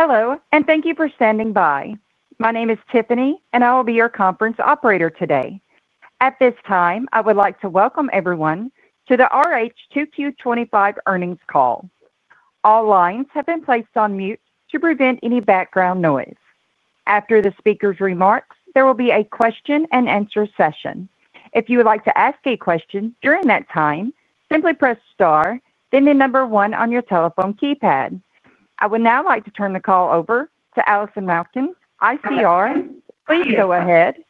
Hello, and thank you for standing by. My name is Tiffany, and I will be your conference operator today. At this time, I would like to welcome everyone to the RH 2Q 2025 earnings call. All lines have been placed on mute to prevent any background noise. After the speaker's remarks, there will be a question and answer session. If you would like to ask a question during that time, simply press star, then the number one on your telephone keypad. I would now like to turn the call over to Allison Malkin, ICR. Please go ahead.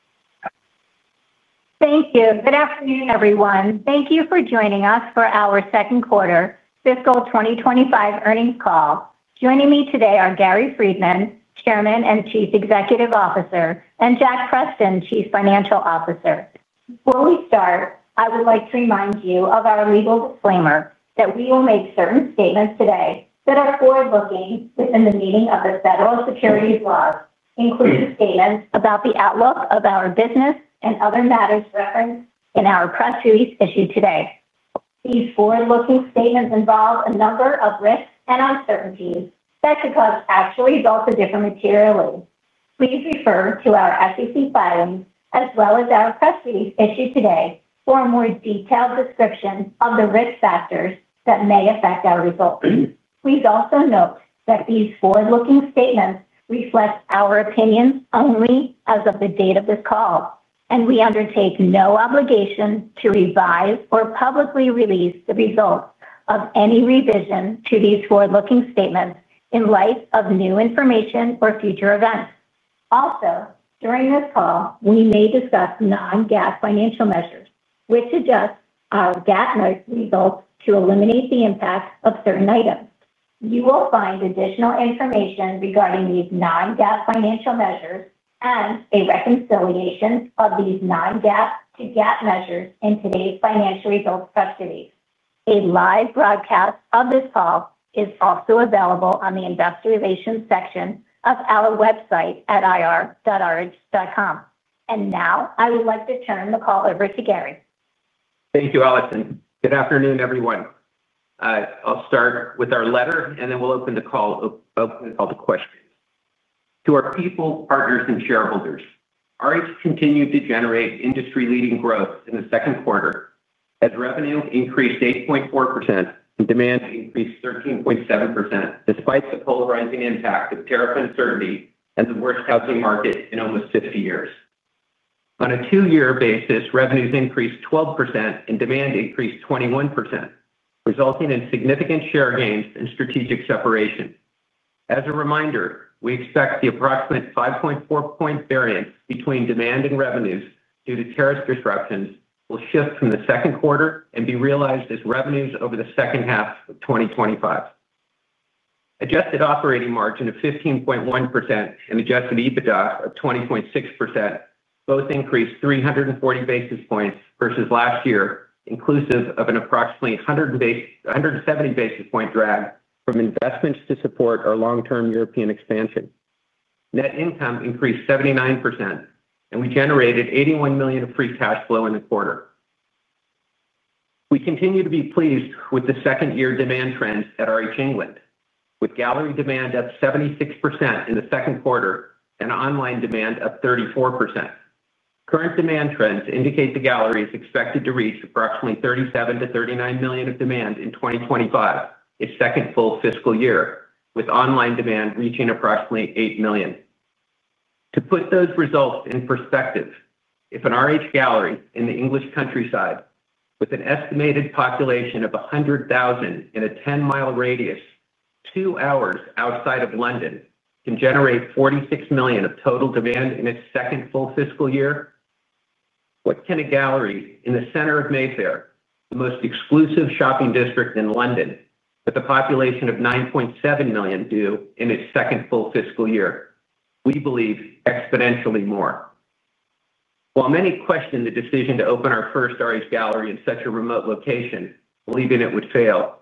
Thank you. Good afternoon, everyone. Thank you for joining us for our second quarter fiscal 2025 earnings call. Joining me today are Gary Friedman, Chairman and Chief Executive Officer, and Jack Preston, Chief Financial Officer. Before we start, I would like to remind you of our legal disclaimer that we will make certain statements today that are forward-looking within the meaning of the Federal Securities Law, including statements about the outlook of our business and other matters referenced in our press release issued today. These forward-looking statements involve a number of risks and uncertainties that could cause actual results to differ materially. Please refer to our SEC filings, as well as our press release issued today, for a more detailed description of the risk factors that may affect our results. Please also note that these forward-looking statements reflect our opinions only as of the date of this call, and we undertake no obligation to revise or publicly release the results of any revision to these forward-looking statements in light of new information or future events. Also, during this call, we may discuss non-GAAP financial measures, which adjust our GAAP measure results to eliminate the impact of certain items. You will find additional information regarding these non-GAAP financial measures and a reconciliation of these non-GAAP to GAAP measures in today's financial results press release. A live broadcast of this call is also available on the investor relations section of our website at ir.rh.com. I would like to turn the call over to Gary. Thank you, Allison. Good afternoon, everyone. I'll start with our letter, and then we'll open the call up with all the questions. To our people, partners, and shareholders, RH continued to generate industry-leading growth in the second quarter, as revenue increased 8.4% and demand increased 13.7%, despite the polarizing impact of tariff uncertainty and the worst housing market in almost 50 years. On a two-year basis, revenues increased 12% and demand increased 21%, resulting in significant share gains and strategic separation. As a reminder, we expect the approximate 5.4-point variance between demand and revenues due to tariff disruptions will shift from the second quarter and be realized as revenues over the second half of 2025. Adjusted operating margin of 15.1% and adjusted EBITDA of 20.6% both increased 340 basis points versus last year, inclusive of an approximately 170 basis point drag from investments to support our long-term European expansion. Net income increased 79%, and we generated $81 million of free cash flow in the quarter. We continue to be pleased with the second-year demand trends at RH England, with gallery demand up 76% in the second quarter and online demand up 34%. Current demand trends indicate the gallery is expected to reach approximately $37 million-$39 million of demand in 2025, its second full fiscal year, with online demand reaching approximately $8 million. To put those results in perspective, if an RH gallery in the English countryside, with an estimated population of 100,000 in a 10-mi radius, two hours outside of London, can generate $46 million of total demand in its second full fiscal year, what can a gallery in the center of Mayfair, the most exclusive shopping district in London, with a population of 9.7 million do in its second full fiscal year? We believe exponentially more. While many question the decision to open our first RH gallery in such a remote location, believing it would fail,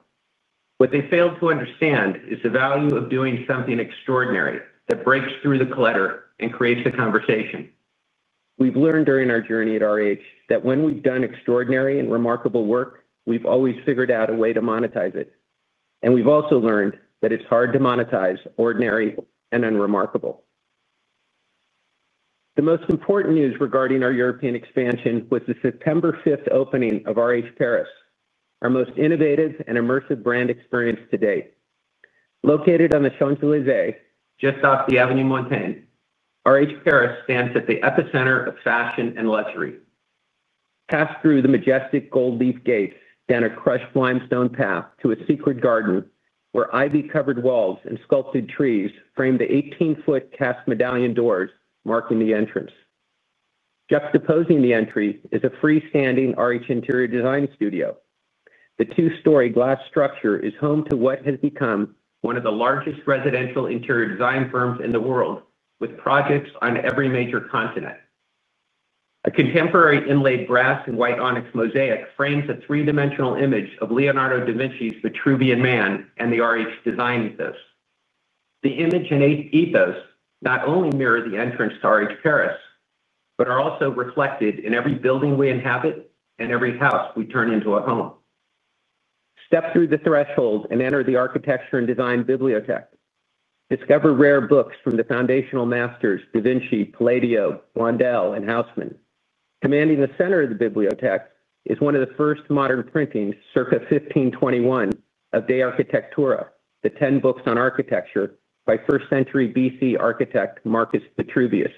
what they failed to understand is the value of doing something extraordinary that breaks through the clutter and creates a conversation. We've learned during our journey at RH that when we've done extraordinary and remarkable work, we've always figured out a way to monetize it. We've also learned that it's hard to monetize ordinary and unremarkable. The most important news regarding our European expansion was the September 5th opening of RH Paris, our most innovative and immersive brand experience to date. Located on the Champs-Élysées, just off the Avenue Montaigne, RH Paris stands at the epicenter of fashion and luxury. Pass through the majestic gold leaf gates and a crushed limestone path to a secret garden where ivy-covered walls and sculpted trees frame the 18-ft cast medallion doors marking the entrance. Juxtaposing the entry is a free-standing RH Interior Design Studio. The two-story glass structure is home to what has become one of the largest residential interior design firms in the world, with projects on every major continent. A contemporary inlaid brass and white onyx mosaic frames a three-dimensional image of Leonardo da Vinci's Vitruvian Man and the RH design ethos. The image and ethos not only mirror the entrance to RH Paris, but are also reflected in every building we inhabit and every house we turn into a home. Step through the threshold and enter the architecture and design bibliotheque. Discover rare books from the foundational masters Da Vinci, Palladio, Blondel, and Haussmann. Commanding the center of the bibliotheque is one of the first modern printings circa 1521 of De Architectura, the 10 books on architecture by first-century BC architect Marcus Vitruvius.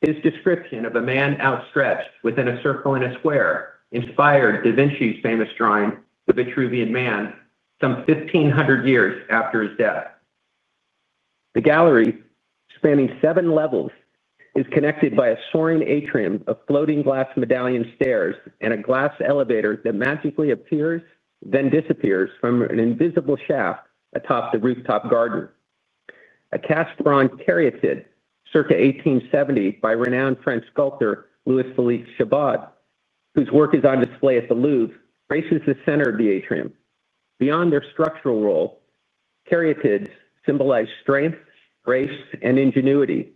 His description of a man outstretched within a circle in a square inspired Da Vinci's famous drawing The Vitruvian Man, some 1,500 years after his death. The gallery, spanning seven levels, is connected by a soaring atrium of floating glass medallion stairs and a glass elevator that magically appears then disappears from an invisible shaft atop the rooftop garden. A cast bronze chariot set, circa 1870 by renowned French sculptor Louis-Felix Chabaud, whose work is on display at the Louvre, graces the center of the atrium. Beyond their structural role, chariot sets symbolize strength, grace, and ingenuity,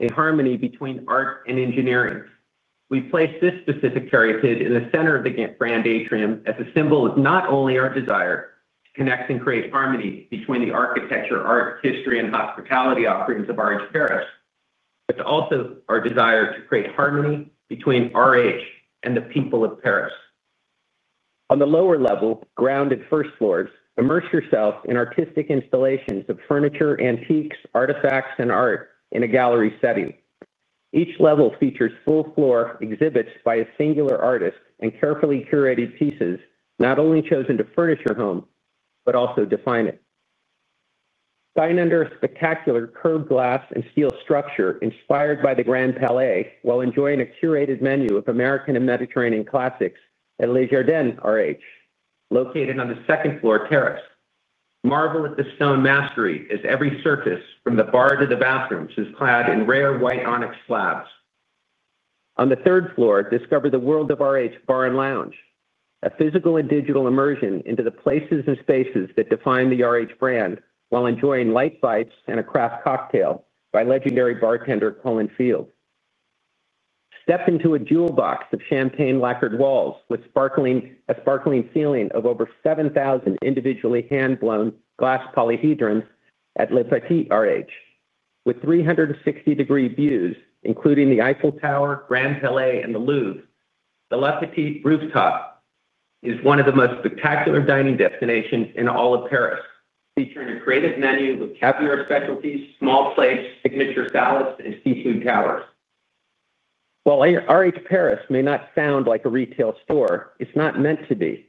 a harmony between art and engineering. We place this specific chariot set in the center of the grand atrium as a symbol of not only our desire to connect and create harmony between the architecture, art, history, and hospitality offerings of RH Paris, but also our desire to create harmony between RH and the people of Paris. On the lower level, ground and first floors, immerse yourself in artistic installations of furniture, antiques, artifacts, and art in a gallery setting. Each level features full-floor exhibits by a singular artist and carefully curated pieces not only chosen to furnish your home, but also define it. Shine under a spectacular curved glass and steel structure inspired by the Grand Palais while enjoying a curated menu of American and Mediterranean classics at Le Jardin RH, located on the second-floor terrace. Marvel at the stone mastery as every surface, from the bar to the bathrooms, is clad in rare white onyx slabs. On the third floor, discover The World of RH Bar and Lounge, a physical and digital immersion into the places and spaces that define the RH brand while enjoying light bites and a craft cocktail by legendary bartender Colin Field. Step into a jewel box of champagne lacquered walls with a sparkling feeling of over 7,000 individually hand-blown glass polyhedrons at Le Petit RH. With 360-degree views, including the Eiffel Tower, Grand Palais, and the Louvre, the Le Petit rooftop is one of the most spectacular dining destinations in all of Paris, featuring a creative menu of caviar specialties, small plates, signature salads, and seafood towers. While RH Paris may not sound like a retail store, it's not meant to be.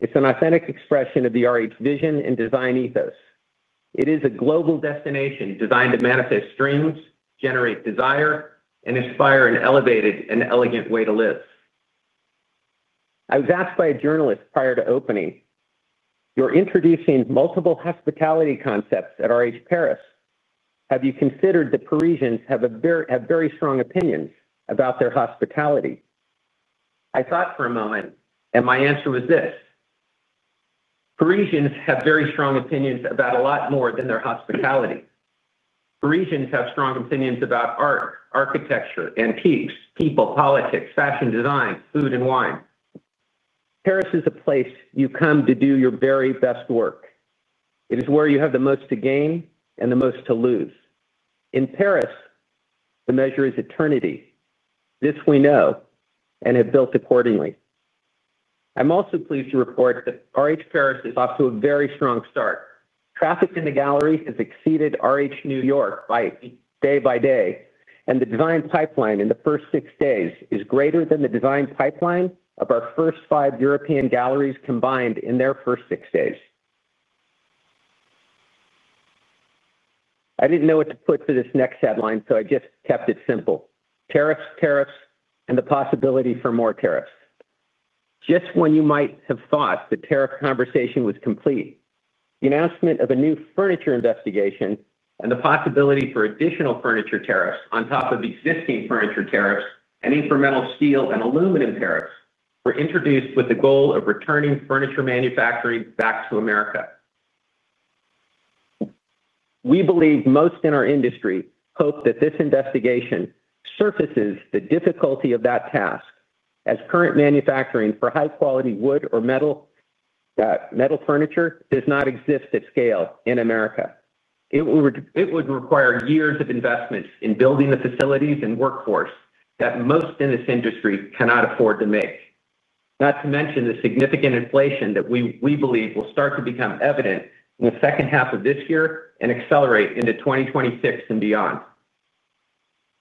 It's an authentic expression of the RH vision and design ethos. It is a global destination designed to manifest dreams, generate desire, and inspire an elevated and elegant way to live. I was asked by a journalist prior to opening, "You're introducing multiple hospitality concepts at RH Paris. Have you considered that Parisians have very strong opinions about their hospitality?" I thought for a moment, and my answer was this. Parisians have very strong opinions about a lot more than their hospitality. Parisians have strong opinions about art, architecture, antiques, people, politics, fashion, design, food, and wine. Paris is a place you come to do your very best work. It is where you have the most to gain and the most to lose. In Paris, the measure is eternity. This we know, and have built accordingly. I'm also pleased to report that RH Paris is off to a very strong start. Traffic in the gallery has exceeded RH New York by day by day, and the design pipeline in the first six days is greater than the design pipeline of our first five European galleries combined in their first six days. I didn't know what to put for this next headline, so I just kept it simple. Tariffs, tariffs, and the possibility for more tariffs. Just when you might have thought the tariff conversation was complete, the announcement of a new furniture investigation and the possibility for additional furniture tariffs on top of existing furniture tariffs and incremental steel and aluminum tariffs were introduced with the goal of returning furniture manufacturing back to America. We believe most in our industry hope that this investigation surfaces the difficulty of that task, as current manufacturing for high-quality wood or metal furniture does not exist at scale in America. It would require years of investments in building the facilities and workforce that most in this industry cannot afford to make. Not to mention the significant inflation that we believe will start to become evident in the second half of this year and accelerate into 2026 and beyond.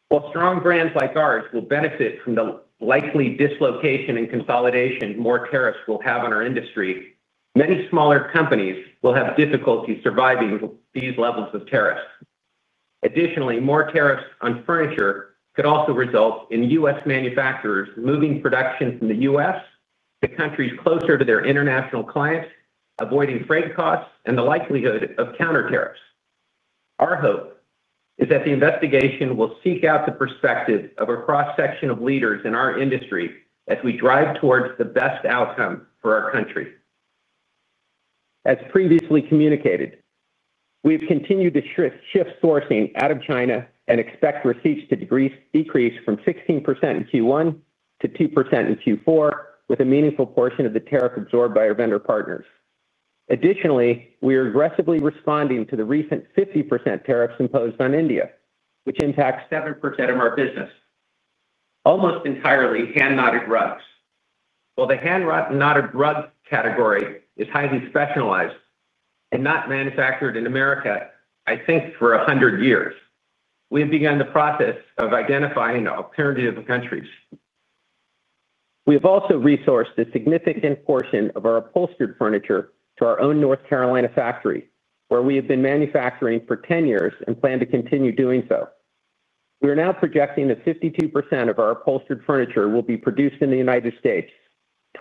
While strong brands like ours will benefit from the likely dislocation and consolidation more tariffs will have on our industry, many smaller companies will have difficulty surviving these levels of tariffs. Additionally, more tariffs on furniture could also result in U.S. manufacturers moving production from the U.S. to countries closer to their international clients, avoiding freight costs and the likelihood of counter tariffs. Our hope is that the investigation will seek out the perspective of a cross-section of leaders in our industry as we drive towards the best outcome for our country. As previously communicated, we've continued to shift sourcing out of China and expect receipts to decrease from 16% in Q1 to 2% in Q4, with a meaningful portion of the tariff absorbed by our vendor partners. Additionally, we are aggressively responding to the recent 50% tariffs imposed on India, which impacts 7% of our business. Almost entirely hand-knotted rugs. While the hand-knotted rugs category is highly specialized and not manufactured in America, I think for a hundred years, we have begun the process of identifying alternative countries. We have also resourced a significant portion of our upholstered furniture to our own North Carolina factory, where we have been manufacturing for 10 years and plan to continue doing so. We are now projecting that 52% of our upholstered furniture will be produced in the United States,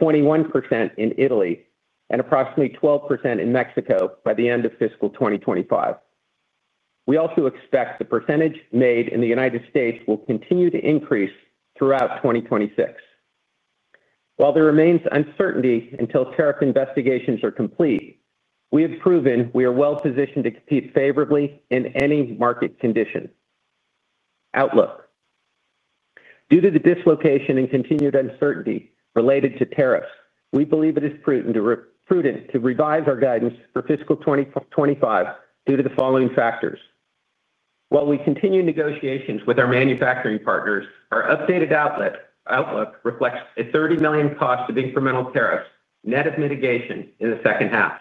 21% in Italy, and approximately 12% in Mexico by the end of fiscal 2025. We also expect the percentage made in the United States will continue to increase throughout 2026. While there remains uncertainty until tariff investigations are complete, we have proven we are well positioned to compete favorably in any market condition. Outlook. Due to the dislocation and continued uncertainty related to tariffs, we believe it is prudent to revise our guidance for fiscal 2025 due to the following factors. While we continue negotiations with our manufacturing partners, our updated outlook reflects a $30 million cost of incremental tariffs net of mitigation in the second half.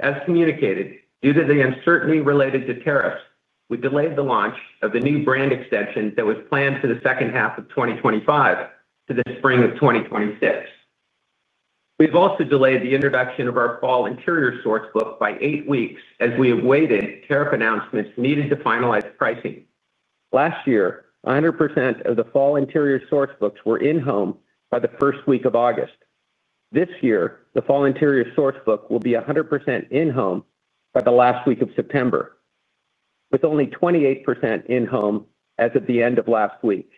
As communicated, due to the uncertainty related to tariffs, we delayed the launch of the new brand extension that was planned for the second half of 2025 to the spring of 2026. We've also delayed the introduction of our fall interior source book by eight weeks as we awaited tariff announcements needed to finalize pricing. Last year, 100% of the fall interior source books were in-home by the first week of August. This year, the fall interior source book will be 100% in-home by the last week of September, with only 28% in-home as of the end of last week.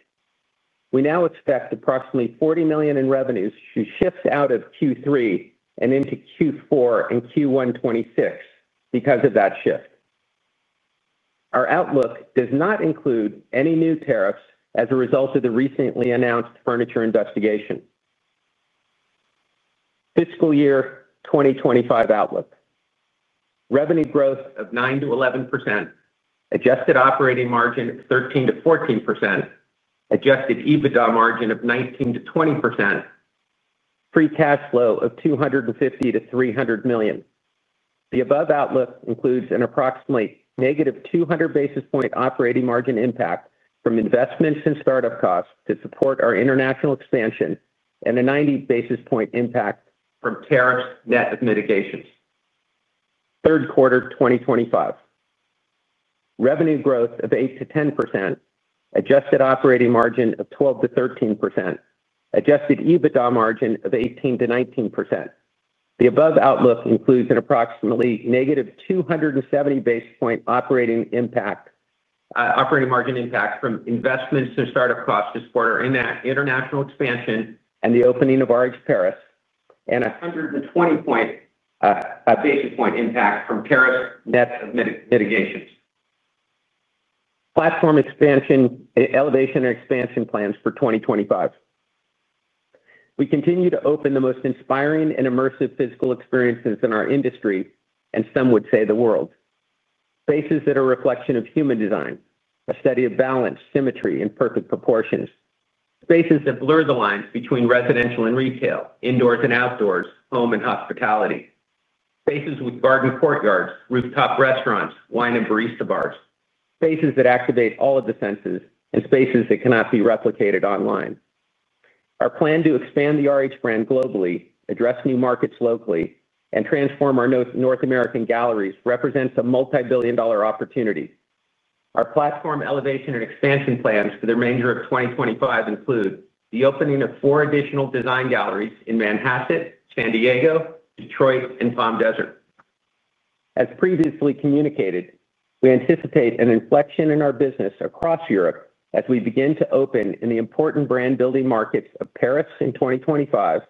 We now expect approximately $40 million in revenues to shift out of Q3 and into Q4 and Q1 2026 because of that shift. Our outlook does not include any new tariffs as a result of the recently announced furniture investigation. Fiscal year 2025 outlook. Revenue growth of 9%-11%, adjusted operating margin of 13%-14%, adjusted EBITDA margin of 19%-20%, free cash flow of $250 million-$300 million. The above outlook includes an approximately -200 basis point operating margin impact from investments and startup costs to support our international expansion and a 90 basis point impact from tariffs net of mitigations. Third quarter 2025. Revenue growth of 8%-10%, adjusted operating margin of 12%-13%, adjusted EBITDA margin of 18%-19%. The above outlook includes an approximately -270 basis point operating margin impact from investments and startup costs to support our international expansion and the opening of RH Paris, and a 120 basis point impact from tariffs net of mitigations. Platform expansion, elevation, and expansion plans for 2025. We continue to open the most inspiring and immersive physical experiences in our industry, and some would say the world. Spaces that are a reflection of human design, a study of balance, symmetry, and perfect proportions. Spaces that blur the lines between residential and retail, indoors and outdoors, home and hospitality. Spaces with garden courtyards, rooftop restaurants, wine, and barista bars. Spaces that activate all of the senses and spaces that cannot be replicated online. Our plan to expand the RH brand globally, address new markets locally, and transform our North American galleries represents a multi-billion dollar opportunity. Our platform elevation and expansion plans for the remainder of 2025 include the opening of four additional design galleries in Manhasset, San Diego, Detroit, and Palm Desert. As previously communicated, we anticipate an inflection in our business across Europe as we begin to open in the important brand-building markets of Paris in 2025,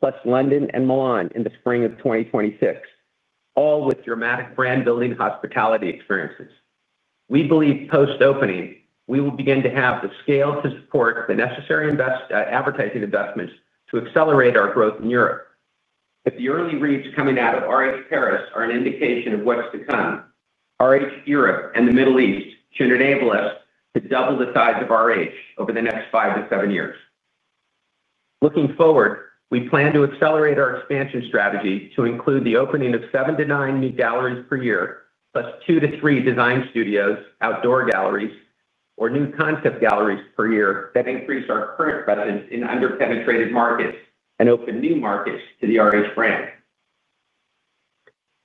plus London and Milan in the spring of 2026, all with dramatic brand-building hospitality experiences. We believe post-opening, we will begin to have the scale to support the necessary advertising investments to accelerate our growth in Europe. If the early reads coming out of RH Paris are an indication of what's to come, RH Europe and the Middle East should enable us to double the size of RH over the next five to seven years. Looking forward, we plan to accelerate our expansion strategy to include the opening of seven to nine new galleries per year, plus two to three design studios, outdoor galleries, or new concept galleries per year that increase our current presence in underpenetrated markets and open new markets to the RH brand.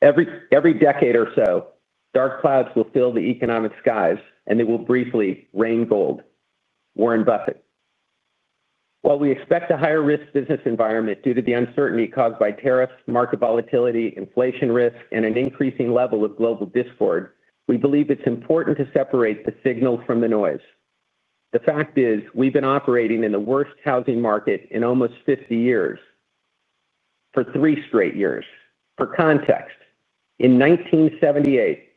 Every decade or so, dark clouds will fill the economic skies, and they will briefly rain gold. Warren Buffett. While we expect a higher risk business environment due to the uncertainty caused by tariffs, market volatility, inflation risk, and an increasing level of global discord, we believe it's important to separate the signal from the noise. The fact is, we've been operating in the worst housing market in almost 50 years. For three straight years. For context, in 1978,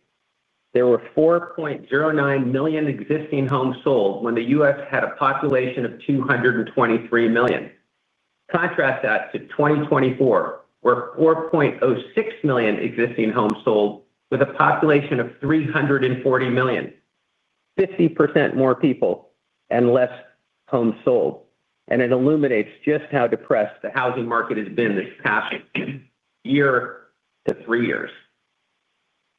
there were 4.09 million existing homes sold when the U.S. had a population of 223 million. Contrast that to 2024, where 4.06 million existing homes sold with a population of 340 million. 50% more people and less homes sold. It illuminates just how depressed the housing market has been this past year to three years.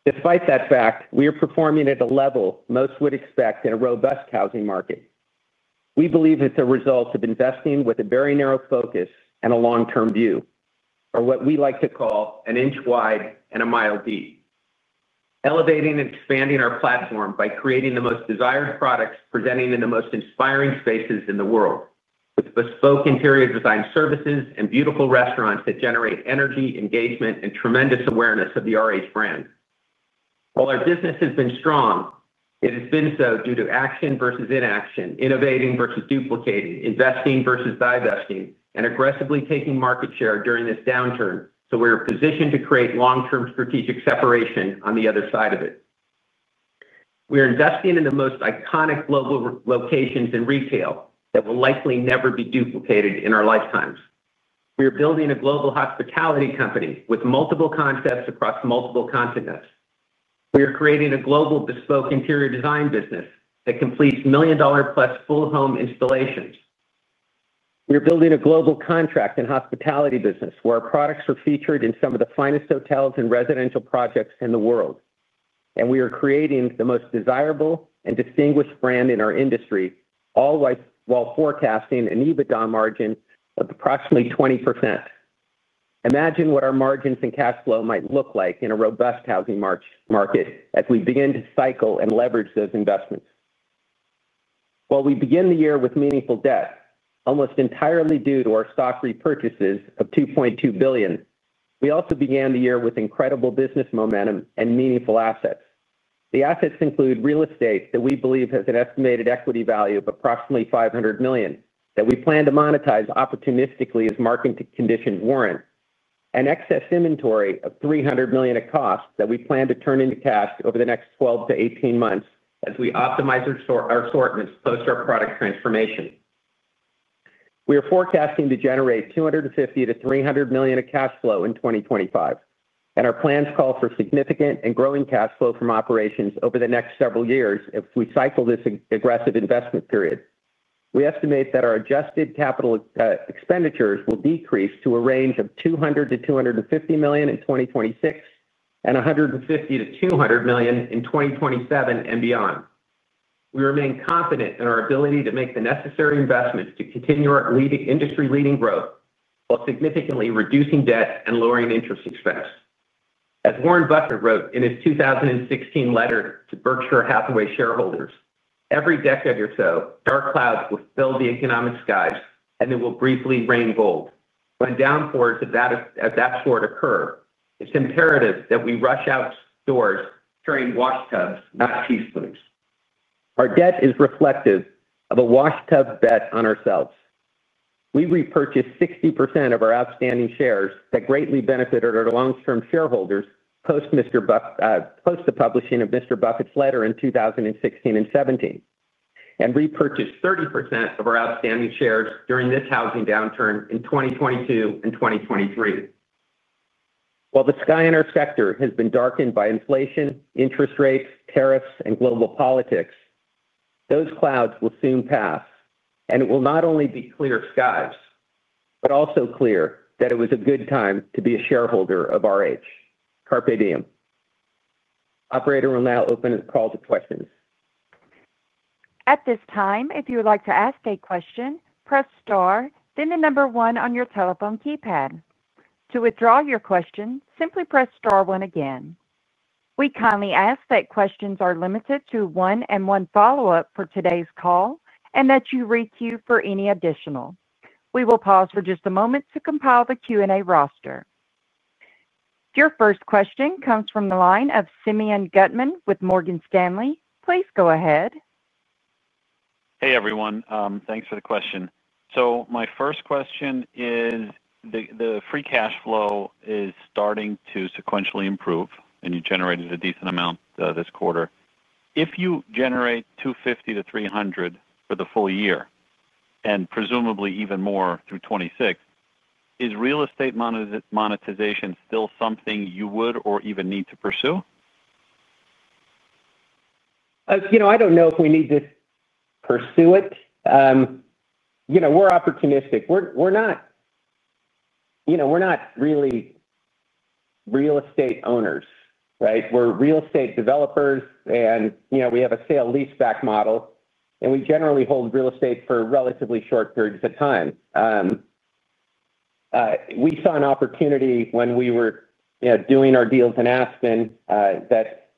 Despite that fact, we are performing at the level most would expect in a robust housing market. We believe it's a result of investing with a very narrow focus and a long-term view, or what we like to call an inch wide and a mile deep. Elevating and expanding our platform by creating the most desired products, presenting in the most inspiring spaces in the world, with bespoke interior design services and beautiful restaurants that generate energy, engagement, and tremendous awareness of the RH brand. While our business has been strong, it has been so due to action versus inaction, innovating versus duplicating, investing versus divesting, and aggressively taking market share during this downturn, we are positioned to create long-term strategic separation on the other side of it. We are investing in the most iconic global locations in retail that will likely never be duplicated in our lifetimes. We are building a global hospitality company with multiple concepts across multiple continents. We are creating a global bespoke interior design business that completes $1 million+ full home installations. We are building a global contract and hospitality business where our products are featured in some of the finest hotels and residential projects in the world. We are creating the most desirable and distinguished brand in our industry, all while forecasting an EBITDA margin of approximately 20%. Imagine what our margins and cash flow might look like in a robust housing market as we begin to cycle and leverage those investments. While we begin the year with meaningful debt, almost entirely due to our stock repurchases of $2.2 billion, we also began the year with incredible business momentum and meaningful assets. The assets include real estate that we believe has an estimated equity value of approximately $500 million that we plan to monetize opportunistically as market conditions warrant. An excess inventory of $300 million in cost that we plan to turn into cash over the next 12-18 months as we optimize our assortments post our product transformation. We are forecasting to generate $250 million-$300 million in cash flow in 2025. Our plans call for significant and growing cash flow from operations over the next several years as we cycle this aggressive investment period. We estimate that our adjusted capital expenditures will decrease to a range of $200 million-$250 million in 2026 and $150 million-$200 million in 2027 and beyond. We remain confident in our ability to make the necessary investments to continue our industry-leading growth while significantly reducing debt and lowering interest expense. As Warren Buffett wrote in his 2016 letter to Berkshire Hathaway shareholders, every decade or so, dark clouds will fill the economic skies and they will briefly rain gold. When downfalls of that sort occur, it's imperative that we rush out doors carrying wash tubs, not cheesecloths. Our debt is reflective of a wash tub bet on ourselves. We repurchased 60% of our outstanding shares that greatly benefited our long-term shareholders post the publishing of Mr. Buffett's letter in 2016 and 2017, and repurchased 30% of our outstanding shares during this housing downturn in 2022 and 2023. While the sky in our sector has been darkened by inflation, interest rates, tariffs, and global politics, those clouds will soon pass, and it will not only be clear skies, but also clear that it was a good time to be a shareholder of RH. Carpe diem. Operator will now open a call to questions. At this time, if you would like to ask a question, press star, then the number one on your telephone keypad. To withdraw your question, simply press star one again. We kindly ask that questions are limited to one and one follow-up for today's call and that you re-queue for any additional. We will pause for just a moment to compile the Q&A roster. Your first question comes from the line of Simeon Gutman with Morgan Stanley. Please go ahead. Hey everyone, thanks for the question. My first question is, the free cash flow is starting to sequentially improve, and you generated a decent amount this quarter. If you generate $250 million-$300 million for the full year, and presumably even more through 2026, is real estate monetization still something you would or even need to pursue? You know. I don't know if we need to pursue it. You know, we're opportunistic. We're not, you know, we're not really real estate owners, right? We're real estate developers, and you know, we have a sale leaseback model, and we generally hold real estate for relatively short periods of time. We saw an opportunity when we were, you know, doing our deals in Aspen that,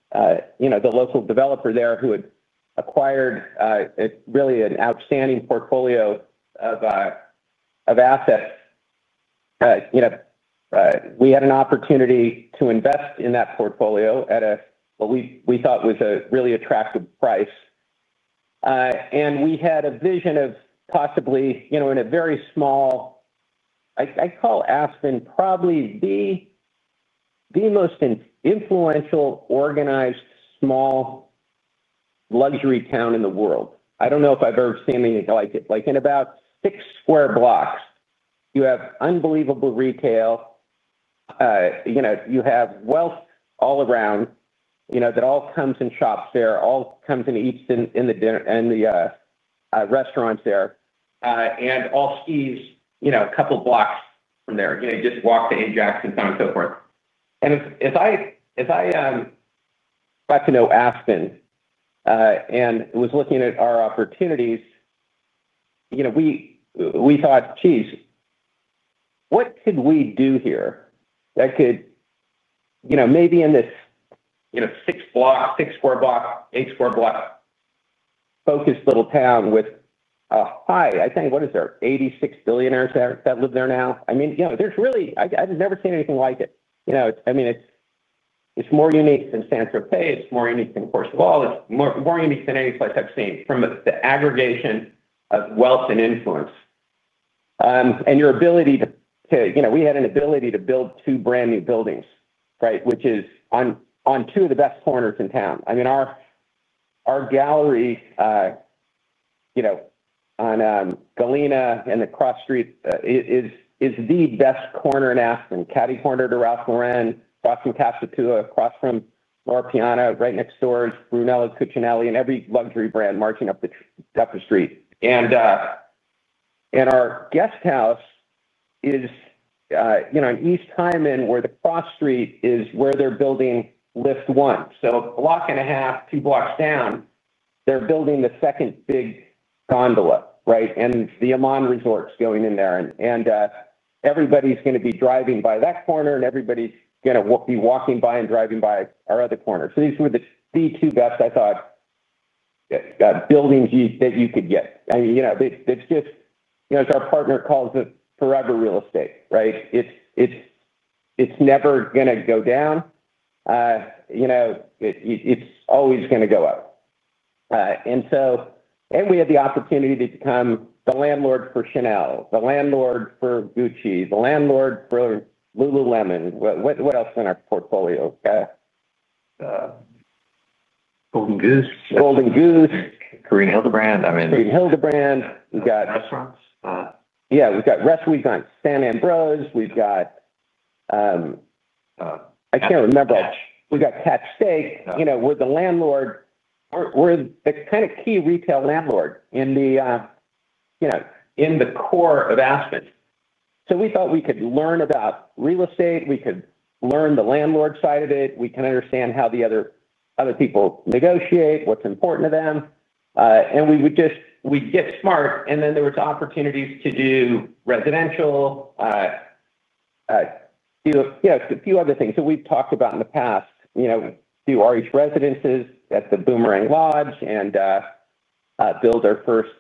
you know, the local developer there who had acquired really an outstanding portfolio of assets, you know, we had an opportunity to invest in that portfolio at a, what we thought was a really attractive price. We had a vision of possibly, you know, in a very small, I call Aspen probably the most influential, organized, small luxury town in the world. I don't know if I've ever seen anything like it. Like in about six square blocks, you have unbelievable retail, you know, you have wealth all around, you know, that all comes and shops there, all comes and eats in the restaurants there, and all skies, you know, a couple blocks from there. You just walk to Ajax and so on and so forth. As I got to know Aspen and was looking at our opportunities, you know, we thought, geez, what could we do here that could, you know, maybe in this, you know, six blocks, six square blocks, eight square blocks, focused little town with a high, I think, what is there, 86 billionaires that live there now? I mean, you know, there's really, I've never seen anything like it. I mean, it's more unique than Santa Fe. It's more unique than Courchevel. It's more unique than any place I've seen from the aggregation of wealth and influence. Your ability to, you know, we had an ability to build two brand new buildings, right? Which is on two of the best corners in town. I mean, our gallery, you know, on Galena and the cross street is the best corner in Aspen. Catty corner to Ralph Lauren, across from Casa Tua, across from Marpiano, right next door is Brunello Cucinelli and every luxury brand marching up the street. Our guest house is, you know, on East Hyman, where the cross street is, where they're building Lift One. A block and a half, two blocks down, they're building the second big gondola, right? The Aman Resort's going in there. Everybody's going to be driving by that corner, and everybody's going to be walking by and driving by our other corner. These were the two best, I thought, buildings that you could get. It's just, you know, as our partner calls it, forever real estate, right? It's never going to go down. It's always going to go up. We had the opportunity to become the landlord for Chanel, the landlord for Gucci, the landlord for Lululemon. What else in our portfolio? Golden Goose. Golden Goose. Greenhill the brand. Greenhill the brand. We've got. Restaurants. Yeah, we've got restaurants, we've got Sant Ambroeus, we've got, I can't remember, we've got Catch Steak. We're the landlord, we're the kind of key retail landlord in the core of Aspen. We thought we could learn about real estate, we could learn the landlord side of it, we can understand how the other people negotiate, what's important to them. We would just get smart, and then there were opportunities to do residential, a few other things that we've talked about in the past, do RH Residences at the Boomerang Lodge and build our first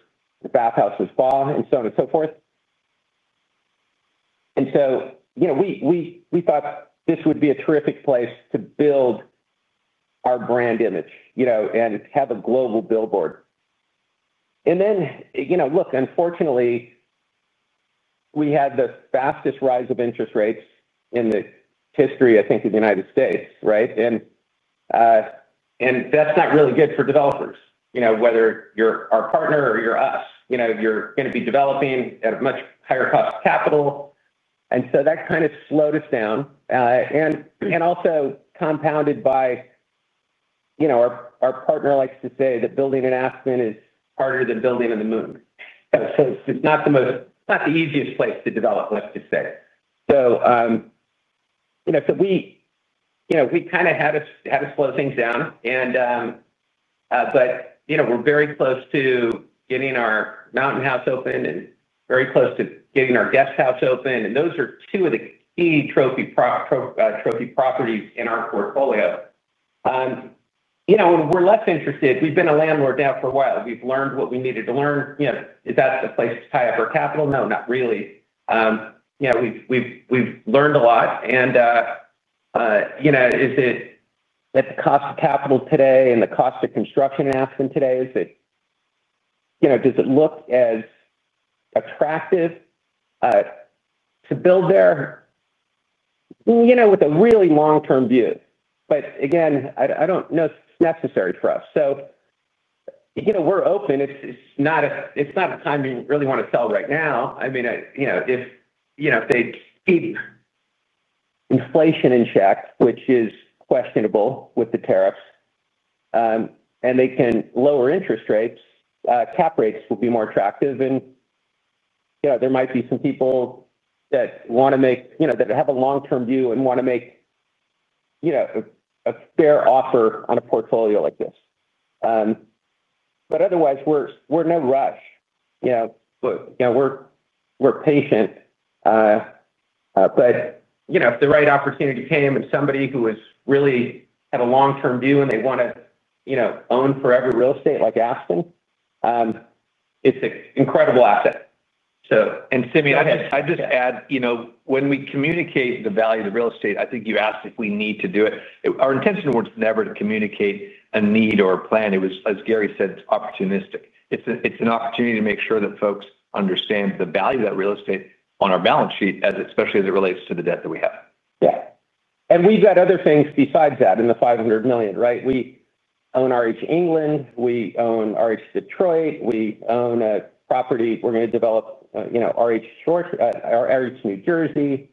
bathhouse and spa, and so on and so forth. We thought this would be a terrific place to build our brand image and have a global billboard. Unfortunately, we had the fastest rise of interest rates in the history, I think, of the United States, right? That's not really good for developers, whether you're our partner or you're us, you're going to be developing at a much higher cost of capital. That kind of slowed us down. Also compounded by, our partner likes to say that building in Aspen is harder than building on the moon. It's not the easiest place to develop, let's just say. We kind of had to slow things down, but we're very close to getting our mountain house opened and very close to getting our guest house opened. Those are two of the key trophy properties in our portfolio. We're less interested. We've been a landlord now for a while. We've learned what we needed to learn. Is that the place to tie up our capital? No, not really. We've learned a lot. Is it that the cost of capital today and the cost of construction in Aspen today, does it look as attractive to build there with a really long-term view? Again, I don't know if it's necessary for us. We're open. It's not a time we really want to sell right now. I mean, if they keep inflation in check, which is questionable with the tariffs, and they can lower interest rates, cap rates will be more attractive. There might be some people that want to make, that have a long-term view and want to make a fair offer on a portfolio like this. Otherwise, we're in no rush. We're patient. If the right opportunity came and somebody who really had a long-term view and they want to own forever real estate like Aspen, it's an incredible asset. Simeon, I just add, you know, when we communicate the value of the real estate, I think you asked if we need to do it. Our intention was never to communicate a need or a plan. It was, as Gary said, opportunistic. It's an opportunity to make sure that folks understand the value of that real estate on our balance sheet, especially as it relates to the debt that we have. Yeah. We've had other things besides that in the $500 million, right? We own RH England. We own RH Detroit. We own a property we're going to develop, you know, RH New Jersey.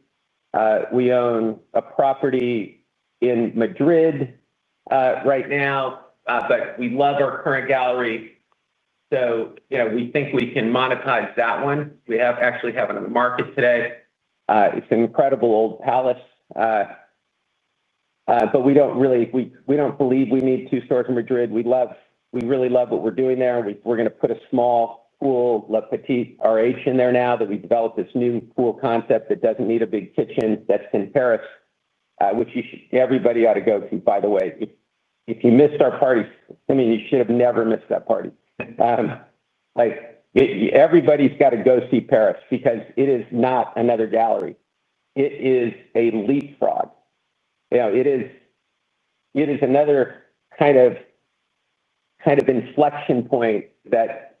We own a property in Madrid right now, but we love our current gallery. We think we can monetize that one. We actually have it on the market today. It's an incredible old palace. We don't believe we need two stores in Madrid. We really love what we're doing there. We're going to put a small cool La Petite RH in there now that we developed this new cool concept that doesn't need a big kitchen that's in Paris, which everybody ought to go to, by the way. If you missed our party, Simeon, you should have never missed that party. Everybody's got to go see Paris because it is not another gallery. It is a leapfrog. It is another kind of inflection point that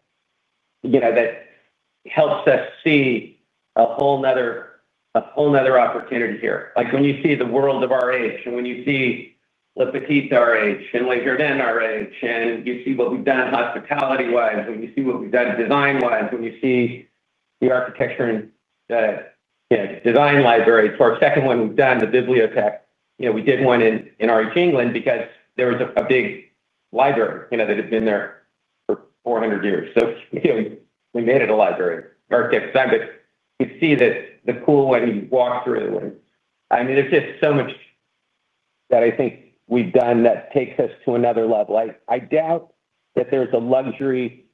helps us see a whole other opportunity here. Like when you see the world of RH and when you see La Petite RH and Le Jardin RH and you see what we've done hospitality-wise and you see what we've done design-wise and you see the architecture and the design library. For our second one we've done, the bibliotheque, you know, we did one in RH England because there was a big library, you know, that had been there for 400 years. We made it a library. Architecture design, but you see the cool one you walk through. It's just so much that I think we've done that takes us to another level. I doubt that there's a luxury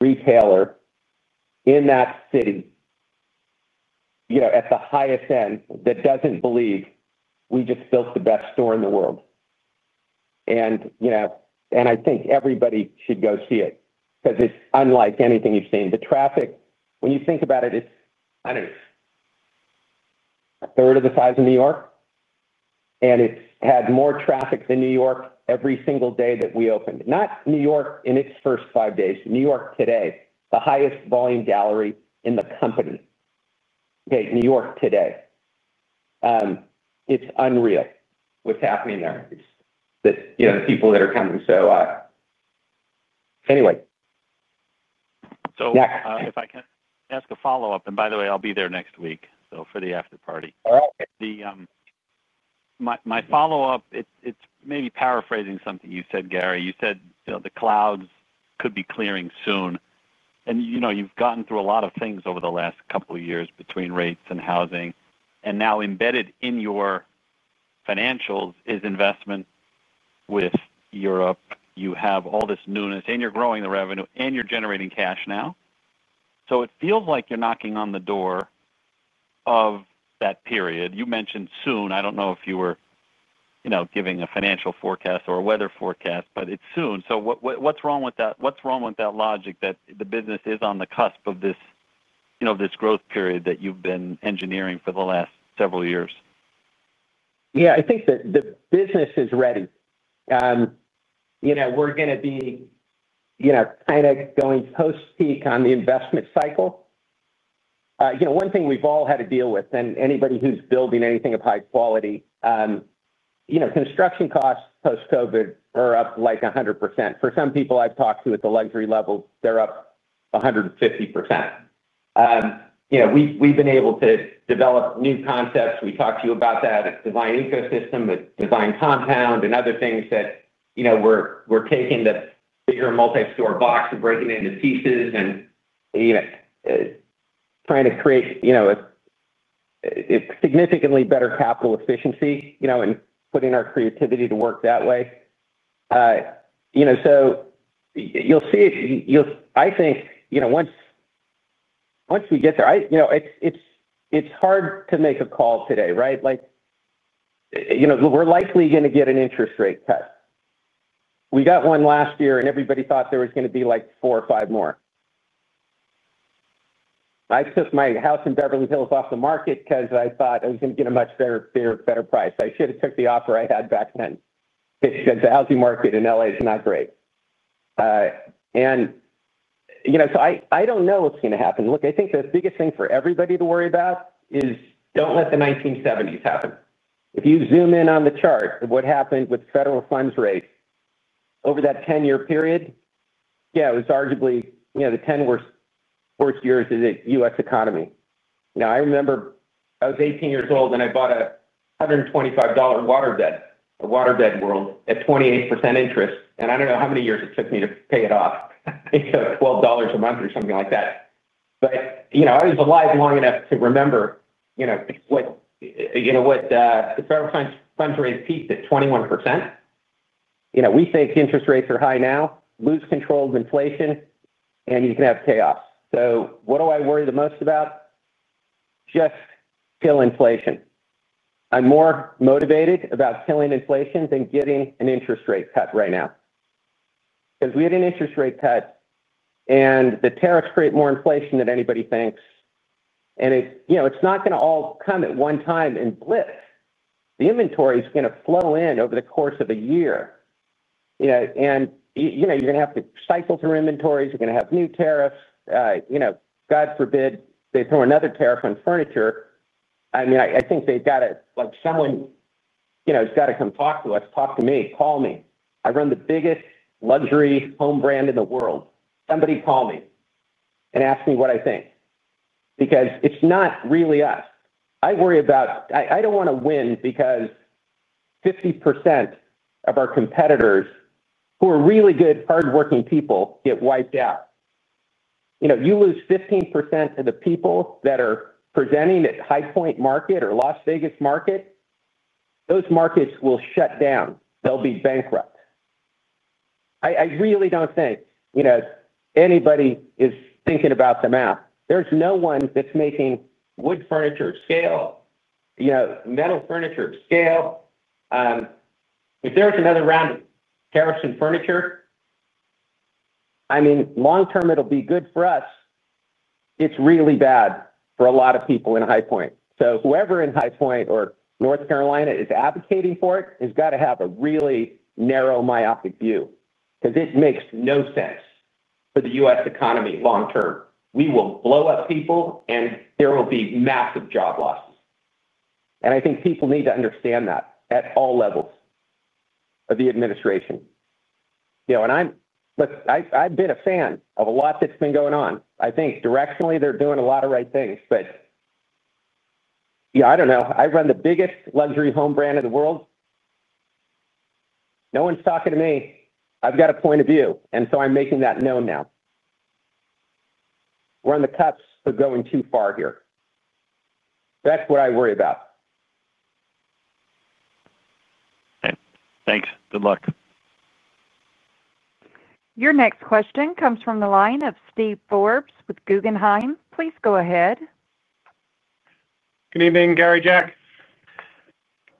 retailer in that city, at the highest end, that doesn't believe we just built the best store in the world. I think everybody should go see it because it's unlike anything you've seen. The traffic, when you think about it, it's, I don't know, a third of the size of New York. It's had more traffic than New York every single day that we opened. Not New York in its first five days, New York today, the highest volume gallery in the company. Okay, New York today. It's unreal what's happening there. It's that, you know, the people that are coming. Anyway. If I can ask a follow-up, and by the way, I'll be there next week for the after party. All right. My follow-up, it's maybe paraphrasing something you said, Gary. You said the clouds could be clearing soon. You know, you've gotten through a lot of things over the last couple of years between rates and housing. Now embedded in your financials is investment with Europe. You have all this newness, and you're growing the revenue, and you're generating cash now. It feels like you're knocking on the door of that period. You mentioned soon. I don't know if you were giving a financial forecast or a weather forecast, but it's soon. What's wrong with that? What's wrong with that logic that the business is on the cusp of this growth period that you've been engineering for the last several years? Yeah, I think that the business is ready. We're going to be kind of going post-peak on the investment cycle. One thing we've all had to deal with, and anybody who's building anything of high quality, construction costs post-COVID are up like 100%. For some people I've talked to at the luxury level, they're up 150%. We've been able to develop new concepts. We talked to you about that. It's design ecosystem, it's design compound, and other things that we're taking the bigger multi-store box and breaking it into pieces and trying to create a significantly better capital efficiency, and putting our creativity to work that way. You'll see if you, I think, once we get there, it's hard to make a call today, right? We're likely going to get an interest rate cut. We got one last year, and everybody thought there was going to be like four or five more. I took my house in Beverly Hills off the market because I thought I was going to get a much better price. I should have took the offer I had back then because the housing market in LA is not great. I don't know what's going to happen. Look, I think the biggest thing for everybody to worry about is don't let the 1970s happen. If you zoom in on the chart of what happened with federal funds rate over that 10-year period, it was arguably the 10 worst years in the U.S. economy. I remember I was 18 years old and I bought a $125 waterbed, a waterbed world at 28% interest. I don't know how many years it took me to pay it off. I think it was $12 a month or something like that. I was alive long enough to remember what the federal funds rate peaked at 21%. We think interest rates are high now, lose control of inflation, and you can have chaos. What do I worry the most about? Just kill inflation. I'm more motivated about killing inflation than getting an interest rate cut right now. We had an interest rate cut, and the tariffs create more inflation than anybody thinks. It's not going to all come at one time and blip. The inventory is going to flow in over the course of a year, and you're going to have to cycle through inventories. You're going to have new tariffs. God forbid they throw another tariff on furniture. I mean, I think they've got to, like, someone has got to come talk to us. Talk to me. Call me. I run the biggest luxury home brand in the world. Somebody call me and ask me what I think. Because it's not really us. I worry about, I don't want to win because 50% of our competitors, who are really good, hardworking people, get wiped out. You lose 15% of the people that are presenting at High Point Market or Las Vegas Market. Those markets will shut down. They'll be bankrupt. I really don't think anybody is thinking about the math. There's no one that's making wood furniture of scale, metal furniture of scale. If there's another round of tariffs on furniture, long term, it'll be good for us. It's really bad for a lot of people in High Point. Whoever in High Point or North Carolina is advocating for it has got to have a really narrow, myopic view. It makes no sense for the U.S. economy long term. We will blow up people, and there will be massive job losses. I think people need to understand that at all levels of the administration. I've been a fan of a lot that's been going on. I think directionally, they're doing a lot of right things, but I don't know. I run the biggest luxury home brand in the world. No one's talking to me. I've got a point of view, and I'm making that known now. We're on the cusp of going too far here. That's what I worry about. Thanks. Good luck. Your next question comes from the line of Steve Forbes with Guggenheim. Please go ahead. Good evening, Gary, Jack.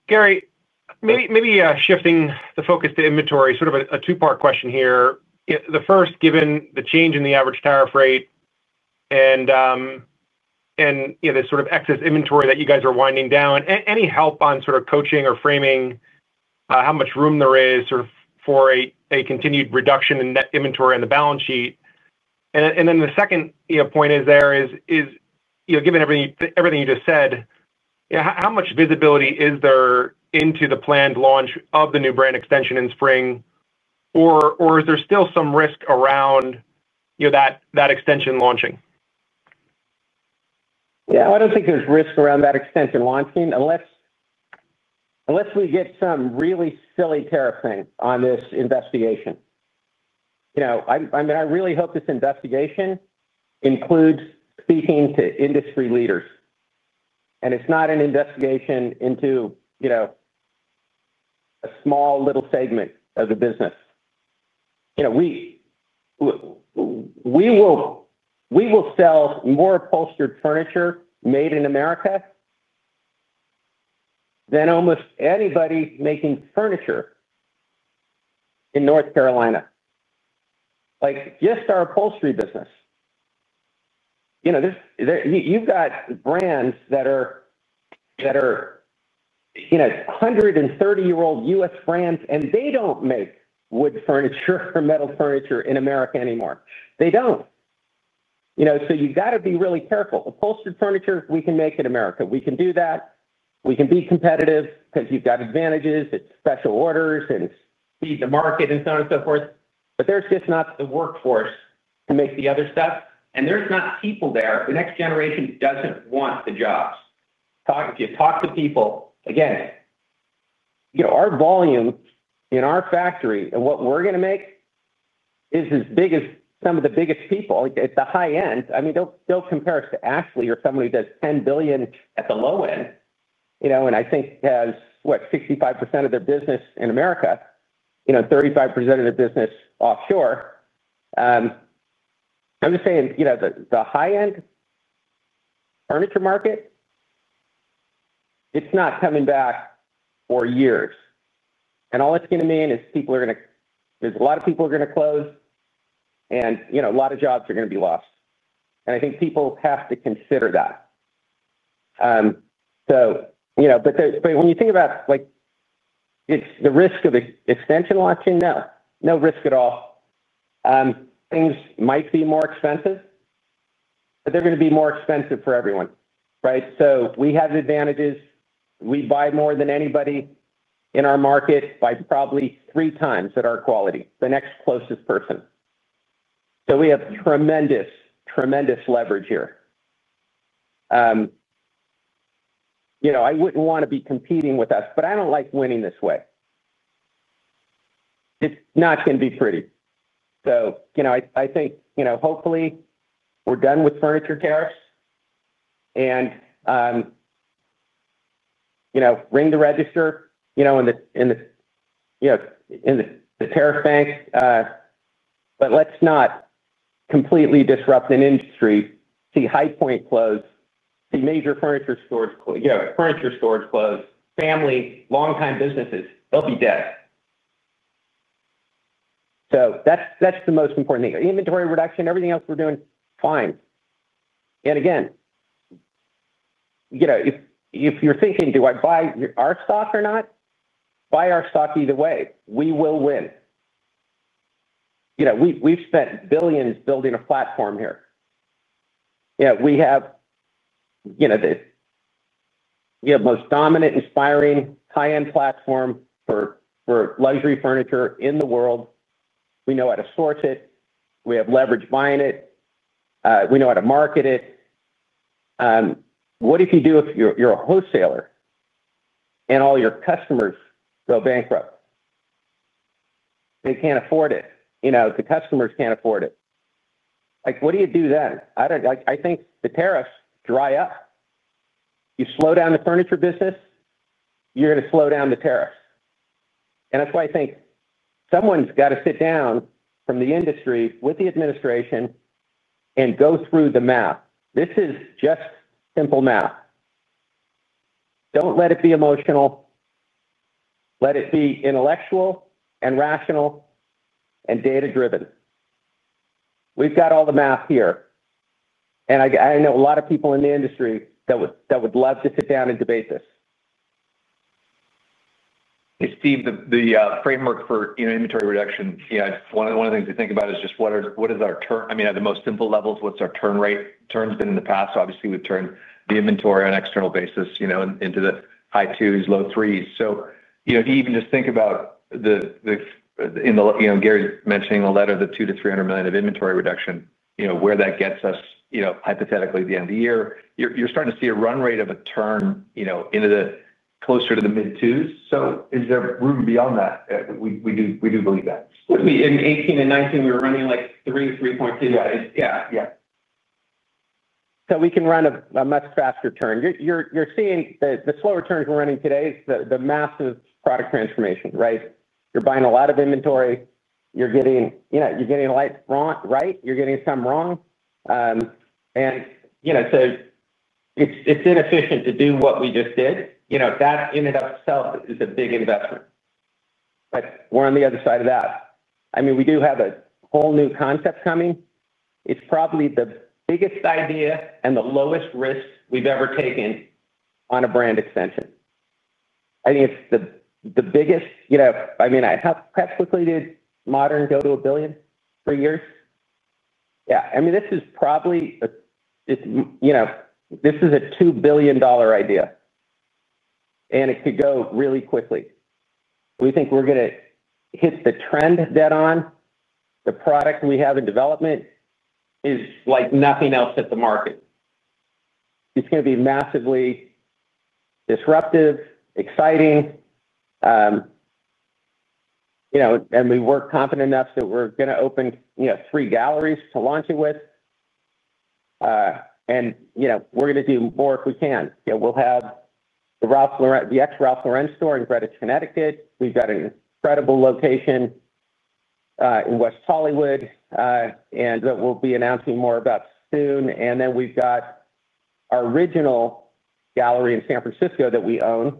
Gary, maybe shifting the focus to inventory, sort of a two-part question here. The first, given the change in the average tariff rate and, you know, this sort of excess inventory that you guys are winding down, any help on coaching or framing how much room there is for a continued reduction in net inventory on the balance sheet? The second point is, given everything you just said, how much visibility is there into the planned launch of the new brand extension in spring? Or is there still some risk around that extension launching? Yeah, I don't think there's risk around that extension launching unless we get some really silly tariff thing on this investigation. I really hope this investigation includes speaking to industry leaders, and it's not an investigation into a small little segment of the business. We will sell more upholstered furniture made in America than almost anybody making furniture in North Carolina, like just our upholstery business. You've got brands that are 130-year-old U.S. brands, and they don't make wood furniture or metal furniture in America anymore. They don't. You've got to be really careful. Upholstered furniture, we can make in America. We can do that. We can be competitive because you've got advantages. It's special orders and it's feeding the market and so on and so forth. There's just not the workforce to make the other stuff, and there's not people there. The next generation doesn't want the jobs. If you talk to people, again, our volume in our factory and what we're going to make is as big as some of the biggest people at the high end. Don't compare us to Ashley or someone who does $10 billion at the low end, and I think has, what, 65% of their business in America, 35% of their business offshore. I'm just saying the high-end furniture market, it's not coming back for years. All it's going to mean is people are going to, there's a lot of people who are going to close, and a lot of jobs are going to be lost. I think people have to consider that. When you think about the risk of extension launching, no, no risk at all. Things might be more expensive, but they're going to be more expensive for everyone, right? We have the advantages. We buy more than anybody in our market by probably three times at our quality, the next closest person. We have tremendous, tremendous leverage here. I wouldn't want to be competing with us, but I don't like winning this way. It's not going to be pretty. I think, hopefully we're done with furniture tariffs and ring the register in the tariff banks. Let's not completely disrupt an industry, see High Point close, see major furniture stores close, family, long-time businesses, they'll be dead. That's the most important thing. Inventory reduction, everything else we're doing fine. If you're thinking, do I buy our stock or not? Buy our stock either way. We will win. We've spent billions building a platform here. We have the most dominant, inspiring, high-end platform for luxury furniture in the world. We know how to source it. We have leverage buying it. We know how to market it. What if you do, if you're a wholesaler and all your customers go bankrupt? They can't afford it. The customers can't afford it. What do you do then? I don't, I think the tariffs dry up. You slow down the furniture business, you're going to slow down the tariffs. That's why I think someone's got to sit down from the industry with the administration and go through the math. This is just simple math. Don't let it be emotional. Let it be intellectual and rational and data-driven. We've got all the math here. I know a lot of people in the industry that would love to sit down and debate this. Steve, the framework for inventory reduction, one of the things to think about is just what is our turn. I mean, at the most simple levels, what's our turn rate? Turn's been in the past. Obviously, we've turned the inventory on an external basis into the high twos, low threes. If you even just think about Gary mentioning a letter of the $200 million-$300 million of inventory reduction, where that gets us, hypothetically at the end of the year, you're starting to see a run rate of a turn closer to the mid-twos. Is there room beyond that? We do believe that. In 2018 and 2019, we were running like three, 3.2 twos. Yeah. Yeah. We can run a much faster turn. You're seeing the slower turns we're running today is the massive product transformation, right? You're buying a lot of inventory. You're getting, you know, you're getting a lot wrong, right? You're getting some wrong. It's inefficient to do what we just did. That ended up selling is a big investment. We're on the other side of that. We do have a whole new concept coming. It's probably the biggest idea and the lowest risk we've ever taken on a brand extension. I think it's the biggest, you know, I mean, I hope PepsiCo did modern go to a billion for years. This is probably, you know, this is a $2 billion idea. It could go really quickly. We think we're going to hit the trend dead on. The product we have in development is like nothing else at the market. It's going to be massively disruptive, exciting. We work confident enough that we're going to open, you know, three galleries to launch it with. We're going to do more if we can. We'll have the Ralph Lauren store in Greenwich, Connecticut. We've got an incredible location in West Hollywood, and we'll be announcing more about that soon. We've got our original gallery in San Francisco that we own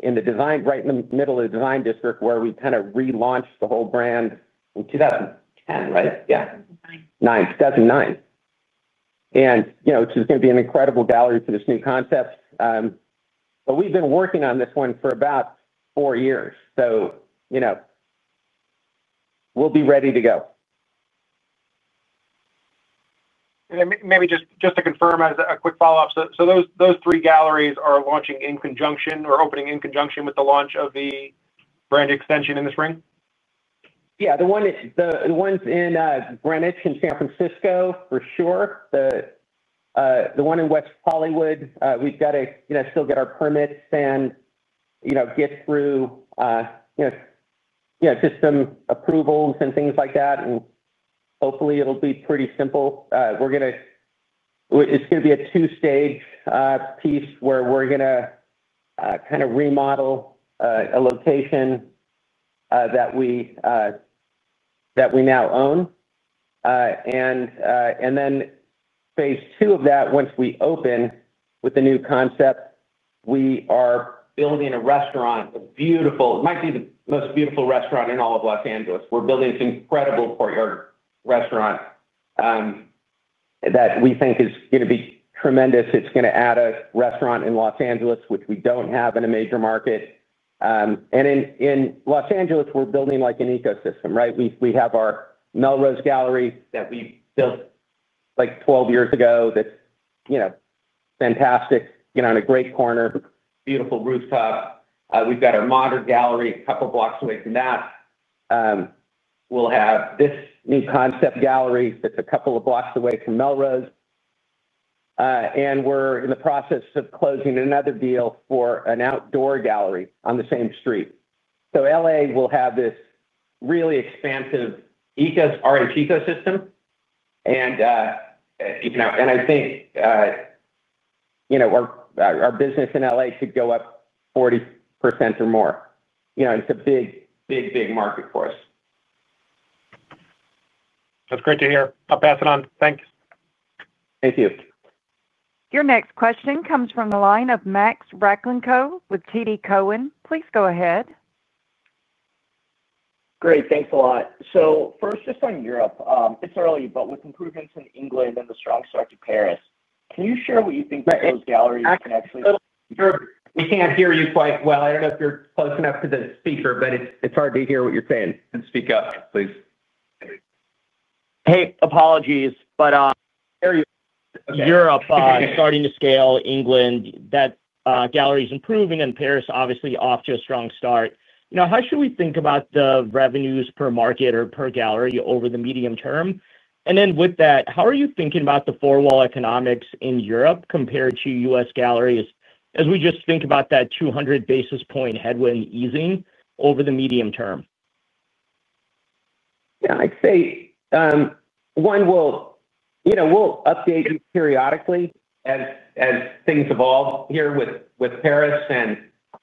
in the design, right in the middle of the design district where we kind of relaunched the whole brand in 2010, right? Yeah. Nine, 2009. It's just going to be an incredible gallery for this new concept. We've been working on this one for about four years. We'll be ready to go. Maybe just to confirm as a quick follow-up, those three galleries are launching or opening in conjunction with the launch of the brand extension in the spring? Yeah, the ones in Greenwich and San Francisco for sure. The one in West Hollywood, we've got to still get our permits and get through just some approvals and things like that. Hopefully, it'll be pretty simple. It's going to be a two-stage piece where we're going to kind of remodel a location that we now own. Phase two of that, once we open with the new concept, we are building a restaurant, a beautiful, it might be the most beautiful restaurant in all of Los Angeles. We're building this incredible courtyard restaurant that we think is going to be tremendous. It's going to add a restaurant in Los Angeles, which we don't have in a major market. In Los Angeles, we're building like an ecosystem, right? We have our Melrose gallery that we built like 12 years ago that's fantastic, in a great corner, beautiful rooftop. We've got our modern gallery a couple blocks away from that. We'll have this new concept gallery that's a couple of blocks away from Melrose. We're in the process of closing another deal for an outdoor gallery on the same street. LA will have this really expansive RH ecosystem. I think our business in LA should go up 40% or more. It's a big, big, big market for us. That's great to hear. I'll pass it on. Thanks. Thank you. Your next question comes from the line of Max Rakhlenko with TD Cowen. Please go ahead. Great, thanks a lot. First, just on Europe, it's early, but with improvements in England and the strong start to Paris, can you share what you think those galleries can actually do? I can't hear you quite well. I don't know if you're close enough to the speaker, but it's hard to hear what you're saying. Speak up, please. Apologies, but Europe is starting to scale. England, that gallery is improving, and Paris obviously off to a strong start. Now, how should we think about the revenues per market or per gallery over the medium term? With that, how are you thinking about the four-wall economics in Europe compared to U.S. galleries as we just think about that 200 basis point headwind easing over the medium term? I'd say, one will, you know, we'll update periodically as things evolve here with Paris and,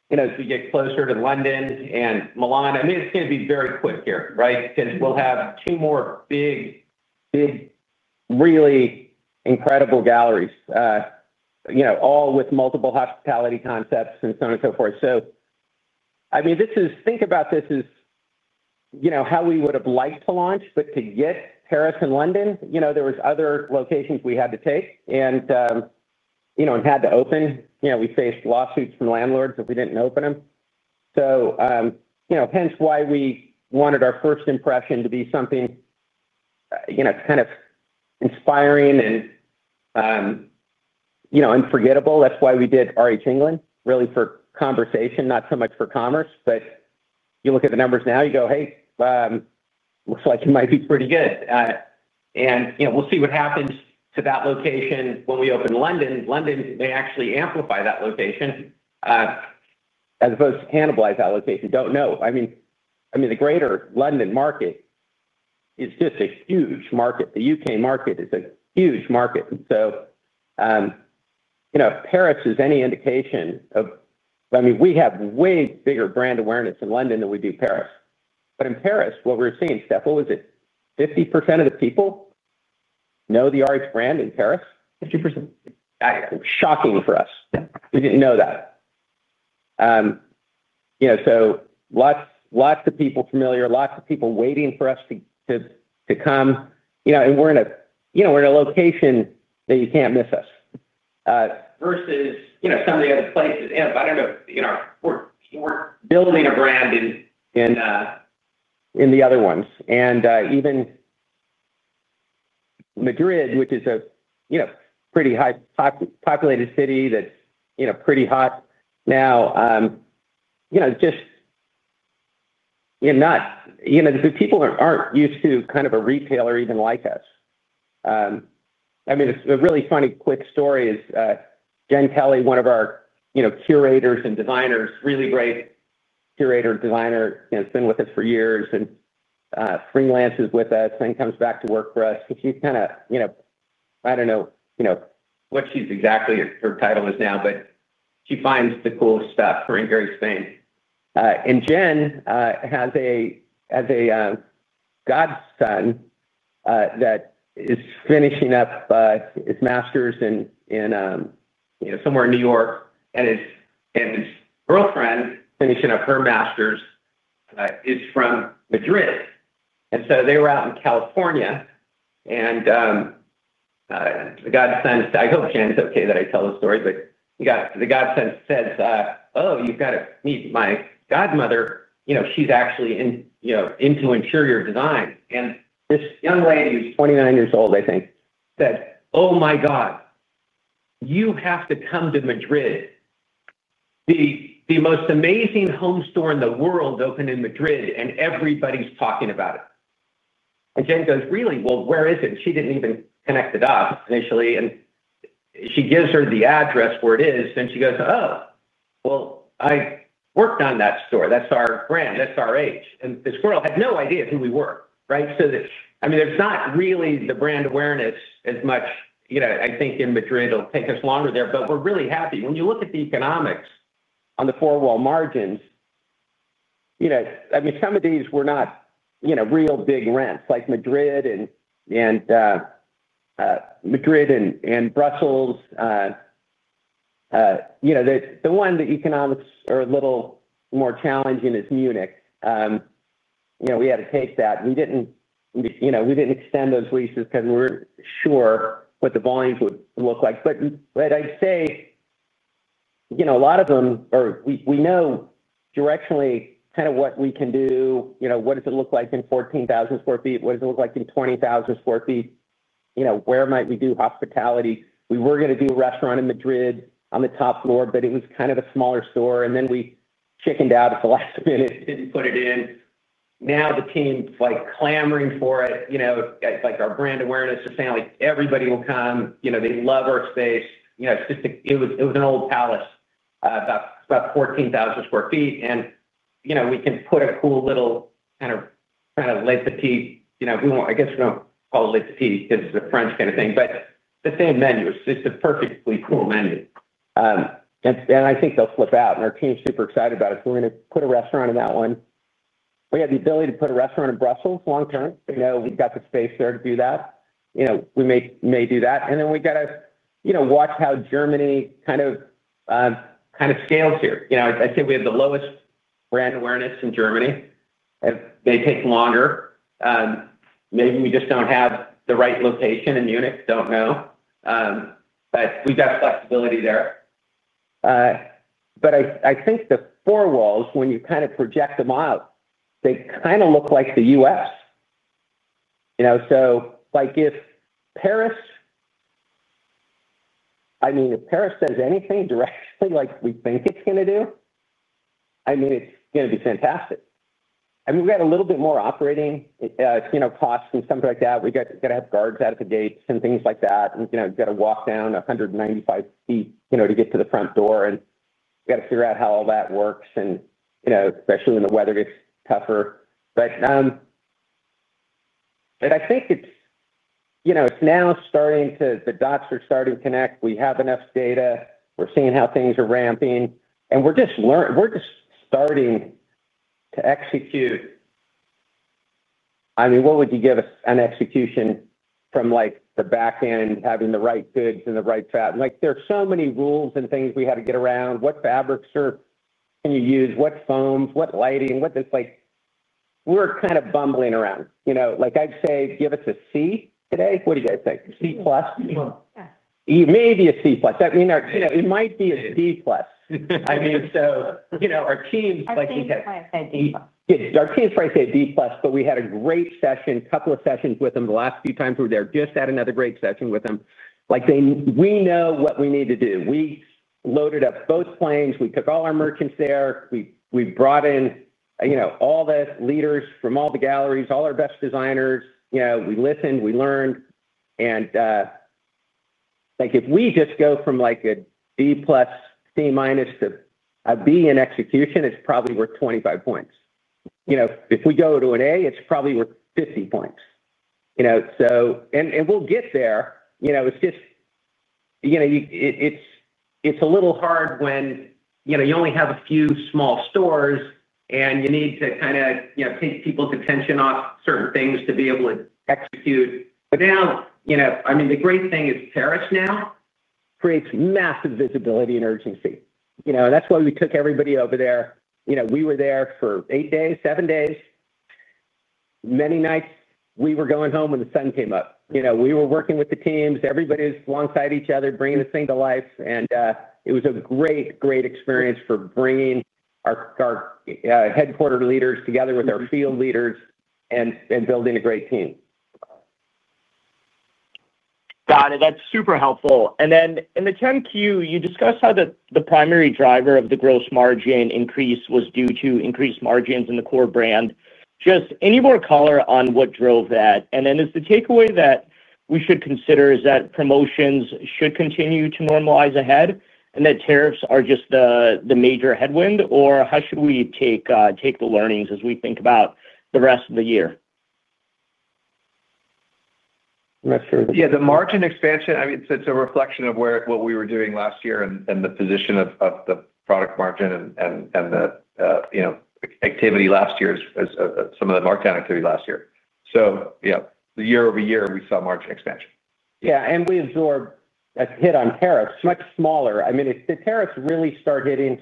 you know, as we get closer to London and Milan. I mean, it's going to be very quick here, right? We'll have two more big, big, really incredible galleries, all with multiple hospitality concepts and so on and so forth. Think about this as how we would have liked to launch, but to get Paris and London, there were other locations we had to take and had to open. We faced lawsuits from landlords if we didn't open them. Hence why we wanted our first impression to be something kind of inspiring and unforgettable. That's why we did RH England, really for conversation, not so much for commerce, but you look at the numbers now, you go, hey, looks like it might be pretty good. We'll see what happens to that location when we open London. London may actually amplify that location, as opposed to cannibalize that location. Don't know. The greater London market is just a huge market. The UK market is a huge market. Paris is any indication of, I mean, we have way bigger brand awareness in London than we do Paris. In Paris, what we're seeing, Steph, what was it? 50% of the people know the RH brand in Paris? 50%. Shocking for us. We didn't know that. Lots of people familiar, lots of people waiting for us to come, and we're in a location that you can't miss us, versus some of the other places. I don't know, we're building a brand in the other ones. Even Madrid, which is a pretty high populated city that's pretty hot now, just, you know, not, you know, the people aren't used to kind of a retailer even like us. I mean, it's a really funny quick story. Jen Kelly, one of our curators and designers, really great curator and designer, has been with us for years and freelances with us and comes back to work for us. She's kind of, you know, I don't know what she's exactly, her title is now, but she finds the coolest stuff in various things. Jen has a godson that is finishing up his master's in, you know, somewhere in New York, and his girlfriend finishing up her master's is from Madrid. They were out in California. The godson is, I hope Jen's okay that I tell the story, but the godson says, oh, you've got to meet my godmother. She's actually into interior design. This young lady, who's 29 years old, I think, said, oh my God, you have to come to Madrid. The most amazing home store in the world opened in Madrid and everybody's talking about it. Jen goes, really? Where is it? She didn't even connect the dot initially. She gives her the address where it is. She goes, oh, I worked on that store. That's our brand. That's RH. This girl had no idea who we were, right? There's not really the brand awareness as much, I think, in Madrid. It'll take us longer there, but we're really happy. When you look at the economics on the four-wall margins, some of these were not real big rents like Madrid and Brussels. The one that economics are a little more challenging is Munich. We had to take that. We didn't extend those leases because we weren't sure what the volumes would look like. I'd say a lot of them, or we know directionally kind of what we can do. What does it look like in 14,000 sq ft? What does it look like in 20,000 sq ft? Where might we do hospitality? We were going to do a restaurant in Madrid on the top floor, but it was kind of a smaller store. We chickened out at the last minute and didn't put it in. Now the team's clamoring for it, like our brand awareness is saying everybody will come, they love our space. It's just, it was an old palace, about 14,000 sq ft. We can put a cool little kind of laissez-faire, you know, I guess we don't call it laissez-faire because it's a French kind of thing, but the same menu, it's a perfectly cool menu. I think they'll flip out. Our team's super excited about it. We're going to put a restaurant in that one. We have the ability to put a restaurant in Brussels long term. We know we've got the space there to do that. We may do that. We have to watch how Germany scales here. I'd say we have the lowest brand awareness in Germany, and they take longer. Maybe we just don't have the right location in Munich. I don't know, but we've got flexibility there. I think the four walls, when you project them out, they look like the U.S. If Paris does anything directly like we think it's going to do, it's going to be fantastic. We've got a little bit more operating costs and stuff like that. We've got to have guards out of the gates and things like that. You've got to walk down 195 ft to get to the front door, and we've got to figure out how all that works, especially when the weather gets tougher. I think it's now starting to, the dots are starting to connect. We have enough data. We're seeing how things are ramping, and we're just learning, we're just starting to execute. What would you give us on execution from the back end, having the right goods and the right fat? There are so many rules and things we had to get around. What fabrics can you use? What foam? What lighting? We're kind of bumbling around. I'd say, give us a C today. What do you guys think? C plus? Yeah, maybe a C plus. It might be a D plus. Our team's probably saying D plus, but we had a great session, a couple of sessions with them the last few times we were there, just had another great session with them. We know what we need to do. We loaded up both planes. We took all our merchants there. We brought in all the leaders from all the galleries, all our best designers. We listened, we learned. If we just go from a D plus C minus to a B in execution, it's probably worth 25 points. If we go to an A, it's probably worth 50 points. We'll get there. It's a little hard when you only have a few small stores and you need to take people's attention off certain things to be able to execute. The great thing is Paris now creates massive visibility and urgency. That's why we took everybody over there. We were there for eight days, seven days, many nights. We were going home when the sun came up. We were working with the teams, everybody's alongside each other, bringing this thing to life. It was a great, great experience for bringing our headquarter leaders together with our field leaders and building a great team. Got it. That's super helpful. In the 10-Q, you discussed how the primary driver of the gross margin increase was due to increased margins in the core brand. Any more color on what drove that? Is the takeaway that we should consider that promotions should continue to normalize ahead and that tariffs are just the major headwind? How should we take the learnings as we think about the rest of the year? Yeah, the margin expansion, I mean, it's a reflection of what we were doing last year and the position of the product margin and the activity last year as some of the markdown activity last year. The year over year, we saw margin expansion. Yeah. We absorbed a hit on tariffs, much smaller. I mean, the tariffs really start hitting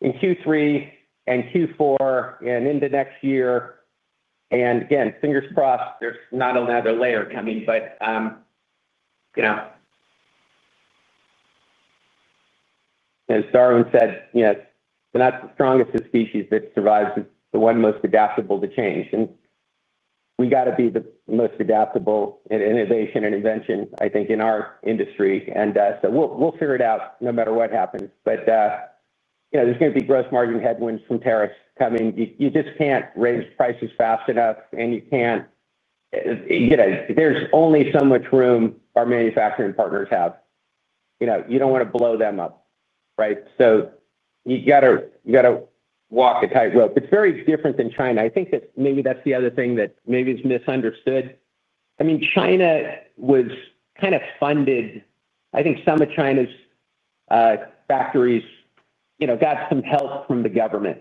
in Q3 and Q4 and into next year. Fingers crossed, there's not another layer coming, but, you know, as Darwin said, we're not the strongest of species that survives. It's the one most adaptable to change. We got to be the most adaptable in innovation and invention, I think, in our industry. We'll figure it out no matter what happens. There's going to be gross margin headwinds from tariffs coming. You just can't raise prices fast enough. You can't, you know, there's only so much room our manufacturing partners have. You don't want to blow them up, right? You got to walk the tightrope. It's very different than China. I think that maybe that's the other thing that maybe is misunderstood. I mean, China was kind of funded, I think some of China's factories got some help from the government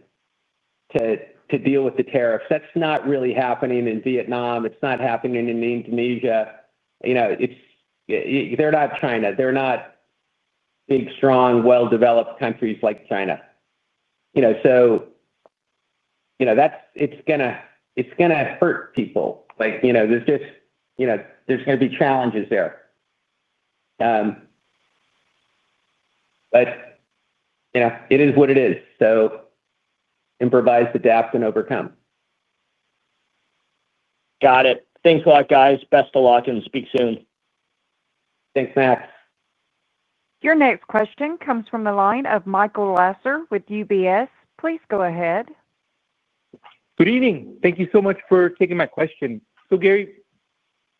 to deal with the tariffs. That's not really happening in Vietnam. It's not happening in Indonesia. They're not China. They're not, I think, strong, well-developed countries like China. That's, it's going to hurt people. There's just, you know, there's going to be challenges there. It is what it is. Improvise, adapt, and overcome. Got it. Thanks a lot, guys. Best of luck and speak soon. Thanks, Max. Your next question comes from the line of Michael Lasser with UBS. Please go ahead. Good evening. Thank you so much for taking my question. Gary,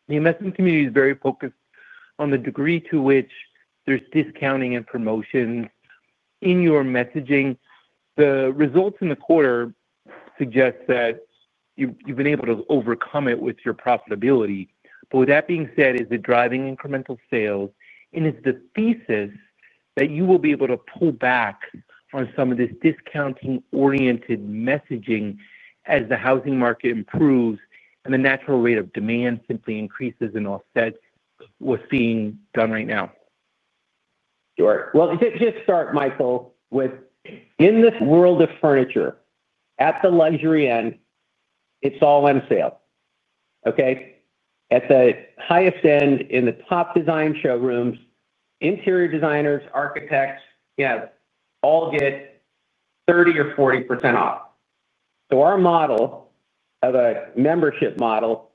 the investment community is very focused on the degree to which there's discounting and promotions in your messaging. The results in the quarter suggest that you've been able to overcome it with your profitability. With that being said, is it driving incremental sales? Is the thesis that you will be able to pull back on some of this discounting-oriented messaging as the housing market improves and the natural rate of demand simply increases and offsets what's being done right now? Sure. Just start, Michael, in the world of furniture, at the luxury end, it's all on sale. At the highest end, in the top design showrooms, interior designers, architects, all get 30% or 40% off. Our model of a membership model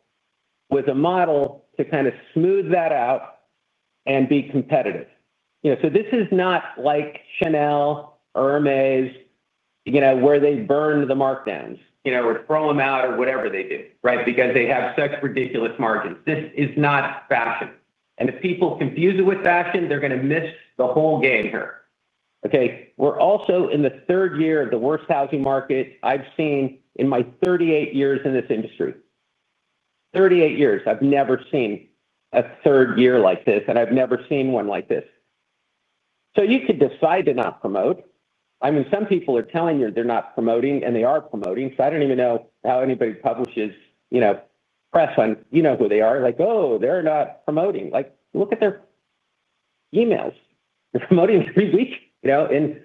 was a model to kind of smooth that out and be competitive. This is not like Chanel or Hermes, where they burn the markdowns or throw them out or whatever they do, right? Because they have such ridiculous margins. This is not fashion. If people confuse it with fashion, they're going to miss the whole game here. We're also in the third year of the worst housing market I've seen in my 38 years in this industry. Thirty-eight years, I've never seen a third year like this, and I've never seen one like this. You could decide to not promote. Some people are telling you they're not promoting, and they are promoting. I don't even know how anybody publishes press on who they are. Like, oh, they're not promoting. Look at their emails. They're promoting every week, and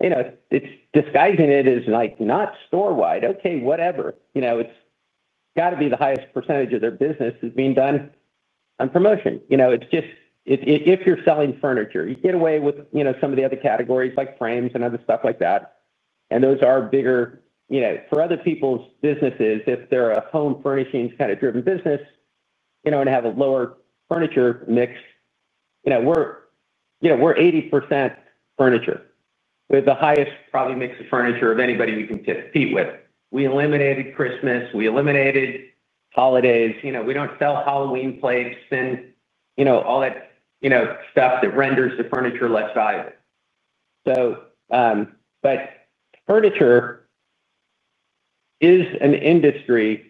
it's disguising it as not store-wide. Whatever. It's got to be the highest percentage of their business is being done on promotion. If you're selling furniture, you get away with some of the other categories like frames and other stuff like that. Those are bigger for other people's businesses if they're a home furnishings kind of driven business and have a lower furniture mix. We're 80% furniture with the highest probably mix of furniture of anybody you can fit a feet with. We eliminated Christmas, we eliminated holidays, we don't sell Halloween plates and all that stuff that renders the furniture less valuable. Furniture is an industry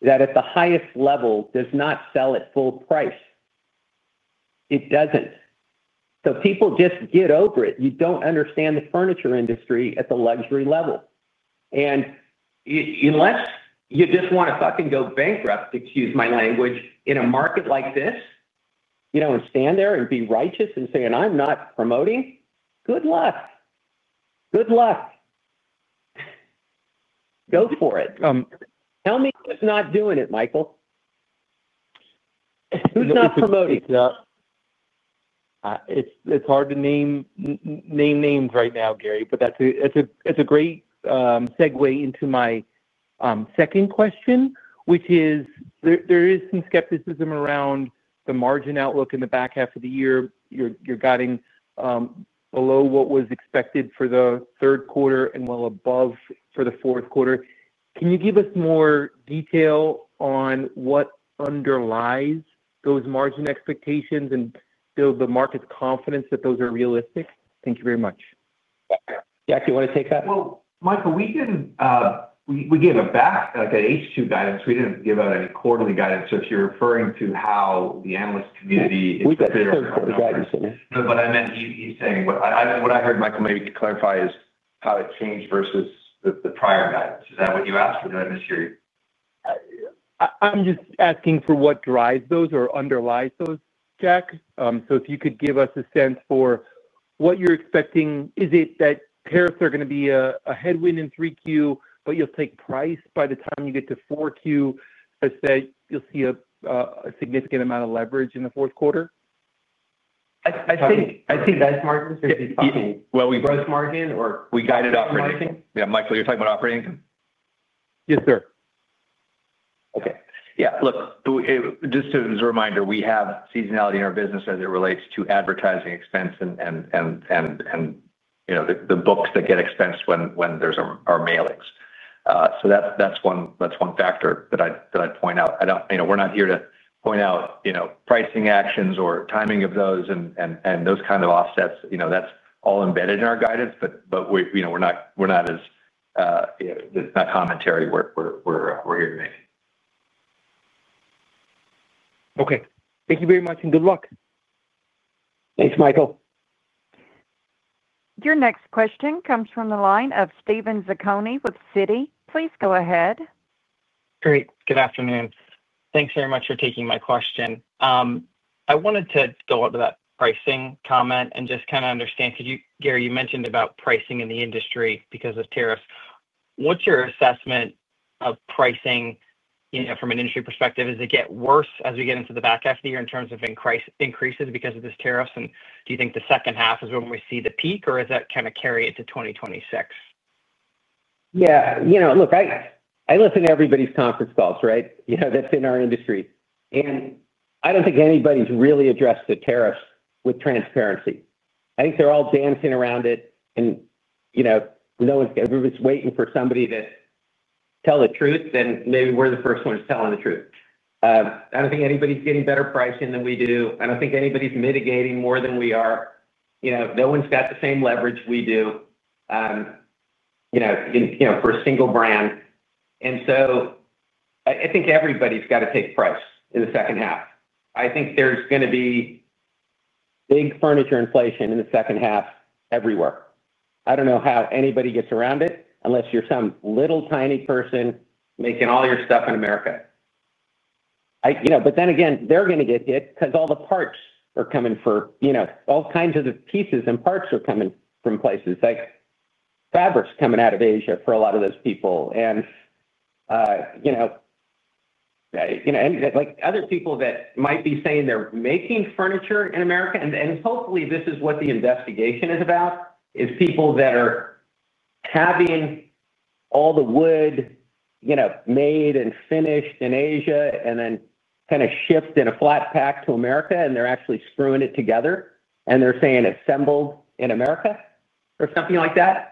that at the highest level does not sell at full price. It doesn't. People just get over it. You don't understand the furniture industry at the luxury level unless you just want to fucking go bankrupt, excuse my language, in a market. You know, stand there and be righteous and say, I'm not promoting. Good luck. Good luck. Go for it. Tell me who's not doing it, Michael. Who's not promoting? It's hard to name names right now, Gary, but that's a great segue into my second question, which is there is some skepticism around the margin outlook in the back half of the year. You're guiding below what was expected for the third quarter and well above for the fourth quarter. Can you give us more detail on what underlies those margin expectations and build the market's confidence that those are realistic? Thank you very much. Jack, do you want to take that? Michael, we gave a bat, like an H2 guidance. We didn't give out a quarterly guidance. If you're referring to how the analyst community is considering the guidance, no, but I meant he's saying, what I heard, Michael, maybe you could clarify is how it changed versus the prior guidance. Is that what you asked? I'm just curious. I'm just asking for what drives those or underlies those, Jack. If you could give us a sense for what you're expecting, is it that tariffs are going to be a headwind in 3Q, but you'll take price by the time you get to 4Q, such that you'll see a significant amount of leverage in the fourth quarter? I think price margin should be talking. Do we price margin or do we guide operating? Michael, you're talking about operating? Yes, sir. Okay. Just as a reminder, we have seasonality in our business as it relates to advertising expense and the books that get expensed when there's our mailings. That's one factor that I'd point out. We're not here to point out pricing actions or timing of those and those kinds of offsets. That's all embedded in our guidance, but we're not, it's not commentary we're hearing. Okay, thank you very much and good luck. Thanks, Michael. Your next question comes from the line of Steven Zaccone with Citi. Please go ahead. Great. Good afternoon. Thanks very much for taking my question. I wanted to go over that pricing comment and just kind of understand, could you, Gary, you mentioned about pricing in the industry because of tariffs. What's your assessment of pricing, you know, from an industry perspective? Is it getting worse as we get into the back half of the year in terms of increases because of these tariffs? Do you think the second half is when we see the peak, or is that kind of carrying it to 2026? Yeah, you know, look, I listen to everybody's conference calls, right? You know, that's in our industry. I don't think anybody's really addressed the tariffs with transparency. I think they're all dancing around it. No one's, everybody's waiting for somebody to tell the truth, and maybe we're the first ones telling the truth. I don't think anybody's getting better pricing than we do. I don't think anybody's mitigating more than we are. No one's got the same leverage we do, you know, for a single brand. I think everybody's got to take price in the second half. I think there's going to be big furniture inflation in the second half everywhere. I don't know how anybody gets around it unless you're some little tiny person making all your stuff in America. Then again, they're going to get hit because all the parts are coming for all kinds of the pieces and parts are coming from places. Fabric's coming out of Asia for a lot of those people. Other people that might be saying they're making furniture in America, and hopefully this is what the investigation is about, is people that are having all the wood made and finished in Asia and then kind of shipped in a flat pack to America, and they're actually screwing it together, and they're saying it's assembled in America or something like that.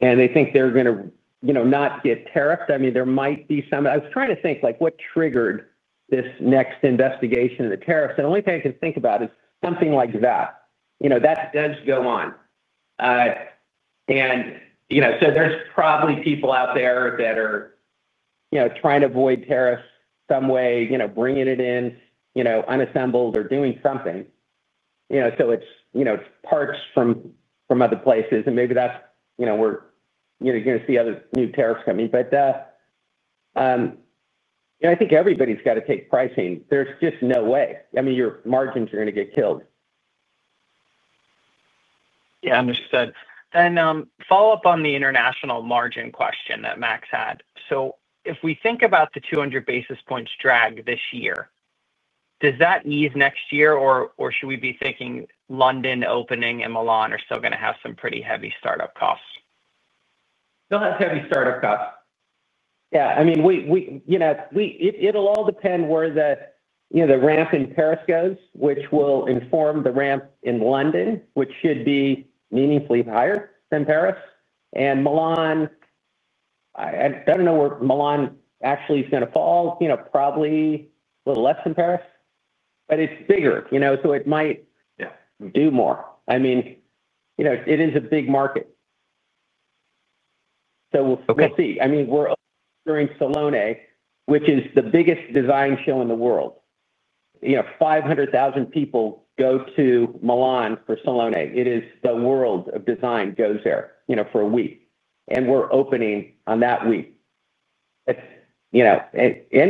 They think they're going to not get tariffed. I mean, there might be some, I was trying to think like what triggered this next investigation of the tariffs. The only thing I can think about is something like that. That does go on. There's probably people out there that are trying to avoid tariffs some way, bringing it in unassembled or doing something. It's parts from other places. Maybe that's where you're going to see other new tariffs coming. I think everybody's got to take pricing. There's just no way. I mean, your margins are going to get killed. Yeah, I understood. Follow up on the international margin question that Max had. If we think about the 200 basis points drag this year, does that ease next year, or should we be thinking London opening and Milan are still going to have some pretty heavy startup costs? They'll have heavy startup costs. I mean, we, you know, it'll all depend where the ramp in Paris goes, which will inform the ramp in London, which should be meaningfully higher than Paris. Milan, I don't know where Milan actually is going to fall, probably a little less than Paris, but it's bigger, so it might do more. I mean, it is a big market. We'll see. During Salone, which is the biggest design show in the world, 500,000 people go to Milan for Salone. The world of design goes there for a week, and we're opening on that week. Any of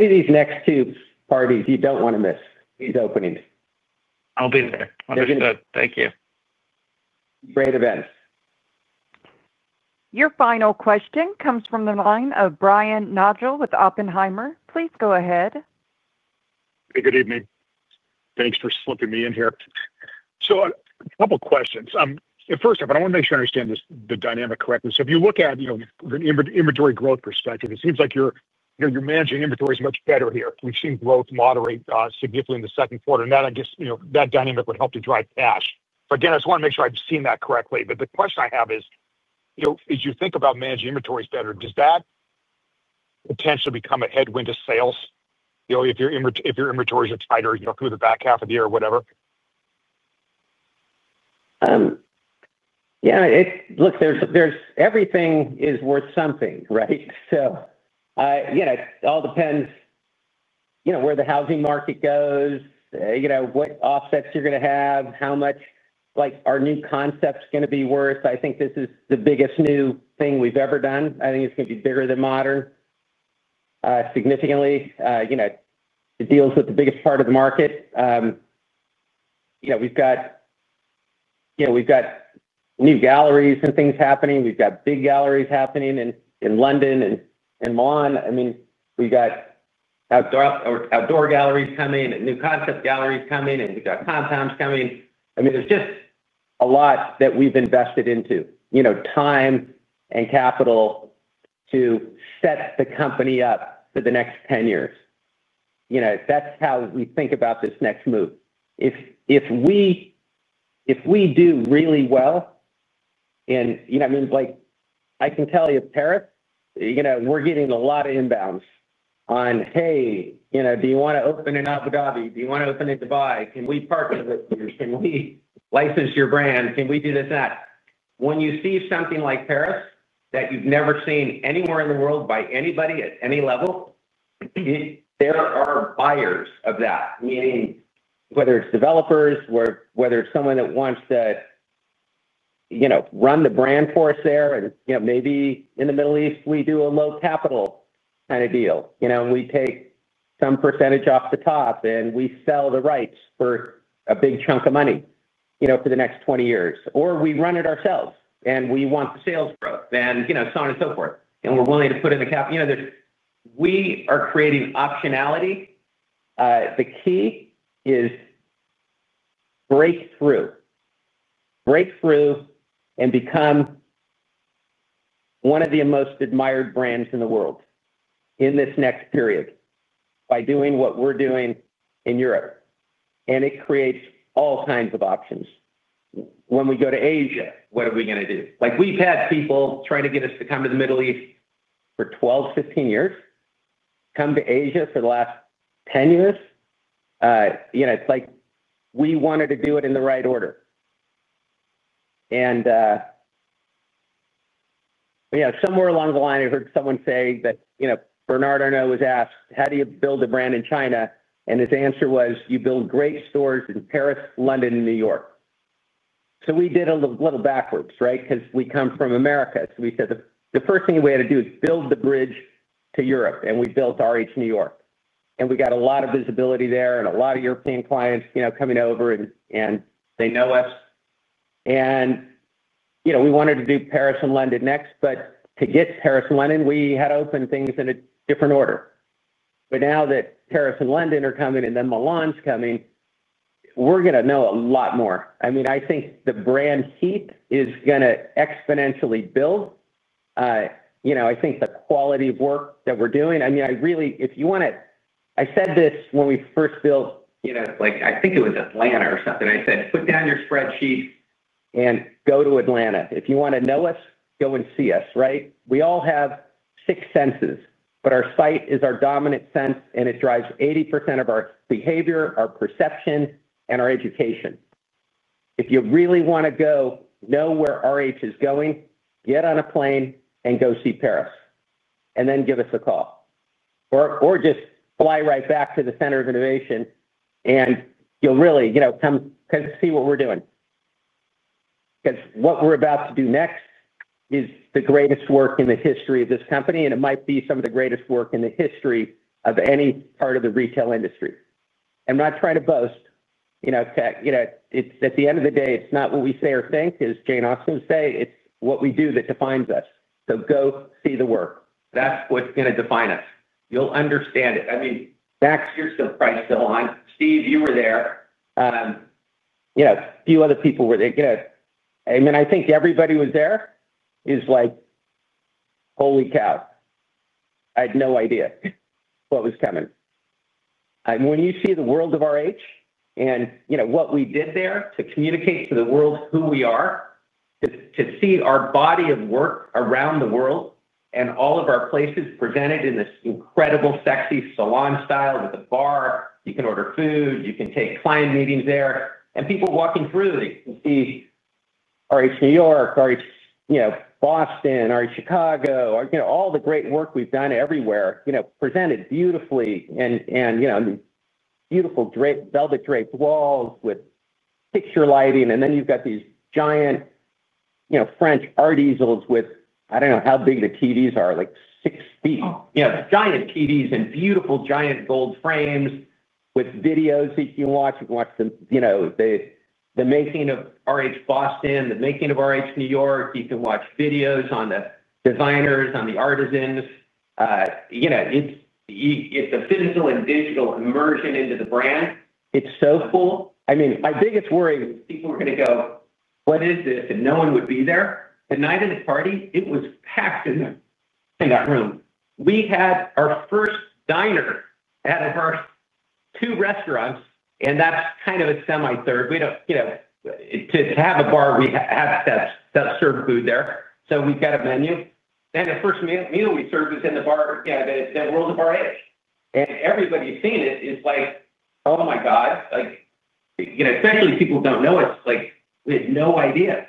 these next two parties, you don't want to miss these openings. I'll be there. Thank you. Great events. Your final question comes from the line of Brian Nagel with Oppenheimer. Please go ahead. Hey, good evening. Thanks for slipping me in here. A couple of questions. First off, I want to make sure I understand the dynamic correctly. If you look at, you know, the inventory growth perspective, it seems like you're, you know, you're managing inventories much better here. We've seen growth moderate significantly in the second quarter. I guess, you know, that dynamic would help to drive cash. Again, I just want to make sure I've seen that correctly. The question I have is, you know, as you think about managing inventories better, does that potentially become a headwind to sales? If your inventories are tighter, you know, through the back half of the year or whatever? Yeah, look, everything is worth something, right? It all depends where the housing market goes, what offsets you're going to have, how much, like, are new concepts going to be worth? I think this is the biggest new thing we've ever done. I think it's going to be bigger than modern, significantly. It deals with the biggest part of the market. We've got new galleries and things happening. We've got big galleries happening in London and in Milan. We've got outdoor galleries coming, new concept galleries coming, and we've got compounds coming. There's just a lot that we've invested into, time and capital, to set the company up for the next 10 years. That's how we think about this next move. If we do really well, I mean, like, I can tell you Paris, we're getting a lot of inbounds on, hey, do you want to open in Abu Dhabi? Do you want to open in Dubai? Can we partner with you? Can we license your brand? Can we do this? When you see something like Paris that you've never seen anywhere in the world by anybody at any level, there are buyers of that, meaning whether it's developers or whether it's someone that wants to run the brand for us there. Maybe in the Middle East, we do a low capital kind of deal, and we take some percentage off the top and we sell the rights for a big chunk of money for the next 20 years, or we run it ourselves and we want the sales growth and so on and so forth. We're willing to put in the capital. We are creating optionality. The key is breakthrough, breakthrough, and become one of the most admired brands in the world in this next period by doing what we're doing in Europe. It creates all kinds of options. When we go to Asia, what are we going to do? We've had people try to get us to come to the Middle East for 12, 15 years, come to Asia for the last 10 years. We wanted to do it in the right order. Somewhere along the line, I heard someone say that Bernard Arnault was asked, how do you build a brand in China? His answer was, you build great stores in Paris, London, and New York. We did a little backwards, right? Because we come from America. We said the first thing we had to do is build the bridge to Europe. We built RH New York. We got a lot of visibility there and a lot of European clients coming over and they know us. We wanted to do Paris and London next, but to get Paris and London, we had opened things in a different order. Now that Paris and London are coming and then Milan's coming, we're going to know a lot more. I think the brand heat is going to exponentially build. I think the quality of work that we're doing, I mean, if you want to, I said this when we first built, like I think it was Atlanta or something. I said, put down your spreadsheet and go to Atlanta. If you want to know us, go and see us, right? We all have six senses, but our sight is our dominant sense, and it drives 80% of our behavior, our perception, and our education. If you really want to know where RH is going, get on a plane and go see Paris and then give us a call or just fly right back to the center of innovation and you'll really come to see what we're doing. What we're about to do next is the greatest work in the history of this company, and it might be some of the greatest work in the history of any part of the retail industry. I'm not trying to boast. At the end of the day, it's not what we say or think, as Jane Austen would say, it's what we do that defines us. Go see the work. That's what's going to define us. You'll understand it. Max, you're surprised still. Steve, you were there. A few other people were there. Good. I think everybody who was there is like, holy cow. I had no idea what was coming. When you see the world of RH and what we did there to communicate to the world who we are, to see our body of work around the world and all of our places presented in this incredible, sexy salon style with a bar, you can order food, you can take client meetings there, and people walking through, you see RH New York, RH Boston, RH Chicago, all the great work we've done everywhere, presented beautifully and beautiful velvet draped walls with picture lighting. Then you've got these giant French art easels with, I don't know how big the TVs are, like 6 ft, giant TVs and beautiful giant gold frames with videos that you can watch and watch them, the making of RH Boston, the making of RH New York. You can watch videos on the designers, on the artisans. You know, it's the physical and digital immersion into the brand. It's so cool. I mean, my biggest worry is people are going to go, what is this? And no one would be there. The night of the party, it was packed in that room. We had our first diner out of our two restaurants, and that's kind of a semi-third. We don't, you know, to have a bar, we have to serve food there. So we've got a menu. The first meal we served was in the bar, you know, the world of RH. Everybody's seen it. It's like, oh my God, like, you know, especially people who don't know us, like they have no idea.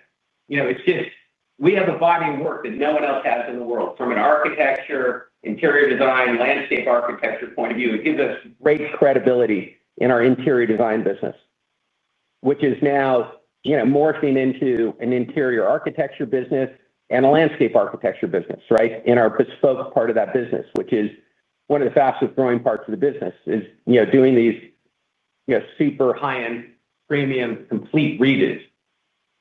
It's just, we have a body of work that no one else has in the world. From an architecture, interior design, landscape architecture point of view, it gives us great credibility in our interior design business, which is now morphing into an interior architecture business and a landscape architecture business, right? Our bespoke part of that business, which is one of the fastest growing parts of the business, is doing these super high-end, premium, complete redos.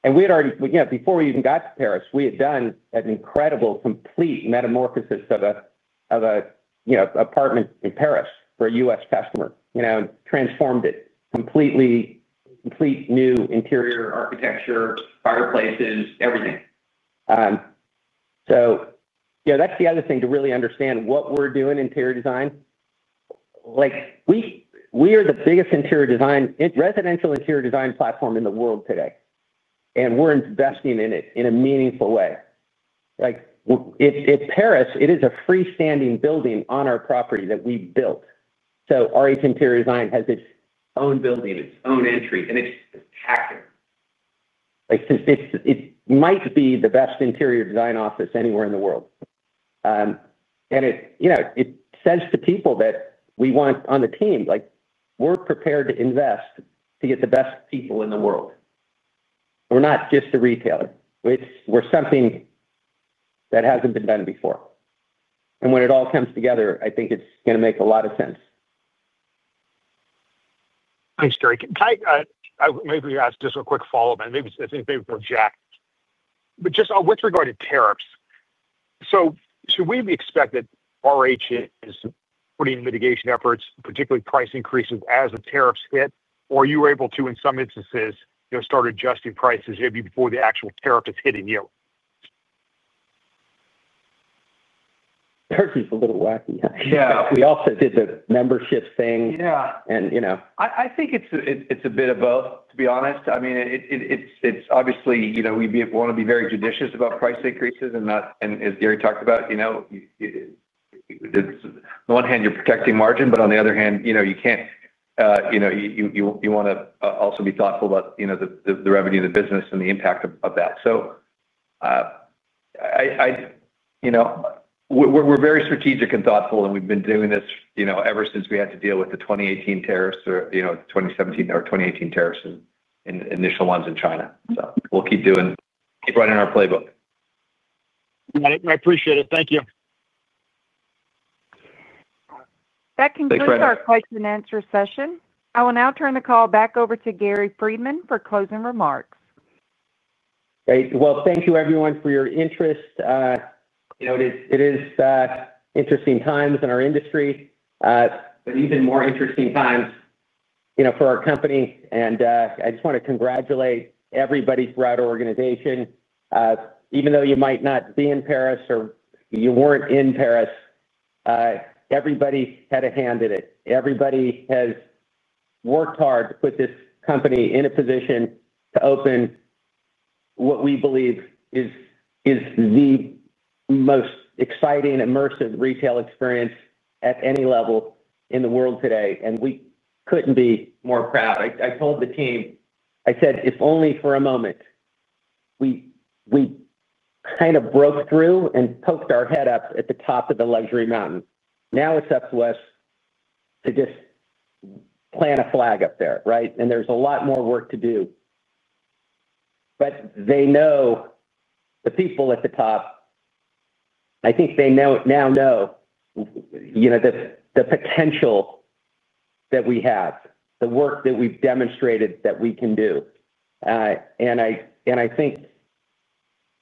We had already, before we even got to Paris, done an incredible, complete metamorphosis of an apartment in Paris for a U.S. customer, transformed it completely, complete new interior architecture, fireplaces, everything. That's the other thing to really understand what we're doing in interior design. We are the biggest residential interior design platform in the world today, and we're investing in it in a meaningful way. It's Paris, it is a freestanding building on our property that we built. RH Interior Design has its own building, its own entry, and it's packed in. It might be the best interior design office anywhere in the world. It says to people that we want on the team, we're prepared to invest to get the best people in the world. We're not just a retailer. We're something that hasn't been done before. When it all comes together, I think it's going to make a lot of sense. Thanks, Gary. Maybe we ask just a quick follow-up, and maybe it's for Jack. With regard to tariffs, should we be expecting RH is putting mitigation efforts, particularly price increases as the tariffs hit, or are you able to, in some instances, start adjusting prices maybe before the actual tariff is hitting you? Tariffs are a little wacky. Yeah. We also did the membership thing. Yeah. You know. I think it's a bit of both, to be honest. I mean, it's obviously, you know, we want to be very judicious about price increases and not, and as Gary talked about, on the one hand, you're protecting margin, but on the other hand, you want to also be thoughtful about the revenue of the business and the impact of that. We're very strategic and thoughtful, and we've been doing this ever since we had to deal with the 2018 tariffs or the 2017 or 2018 tariffs and initial ones in China. We'll keep doing, keep running our playbook. I appreciate it. Thank you. That concludes our question and answer session. I will now turn the call back over to Gary Friedman for closing remarks. Great. Thank you, everyone, for your interest. It is interesting times in our industry, but even more interesting times for our company. I just want to congratulate everybody throughout our organization. Even though you might not be in Paris or you weren't in Paris, everybody had a hand in it. Everybody has worked hard to put this company in a position to open what we believe is the most exciting, immersive retail experience at any level in the world today. We couldn't be more proud. I told the team, I said, if only for a moment, we kind of broke through and poked our head up at the top of the luxury mountain. Now it's up to us to just plant a flag up there, right? There's a lot more work to do. They know the people at the top. I think they now know the potential that we have, the work that we've demonstrated that we can do. I think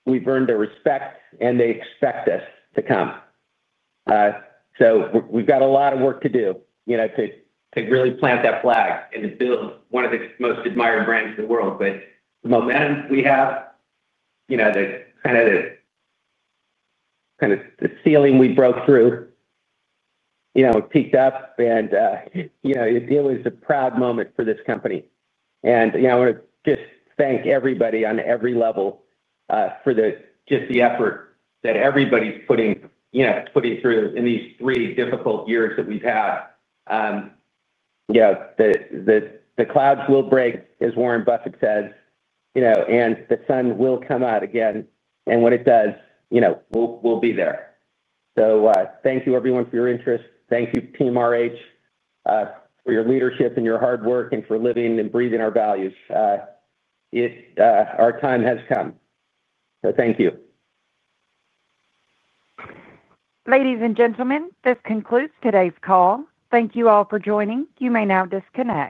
we've earned their respect and they expect us to come. We've got a lot of work to do to really plant that flag and to build one of the most admired brands in the world. The momentum we have, the kind of ceiling we broke through, it picked up and it was a proud moment for this company. I want to just thank everybody on every level for just the effort that everybody's putting through in these three difficult years that we've had. The clouds will break, as Warren Buffett says, and the sun will come out again. When it does, we'll be there. Thank you, everyone, for your interest. Thank you, Team RH, for your leadership and your hard work and for living and breathing our values. Our time has come. Thank you. Ladies and gentlemen, this concludes today's call. Thank you all for joining. You may now disconnect.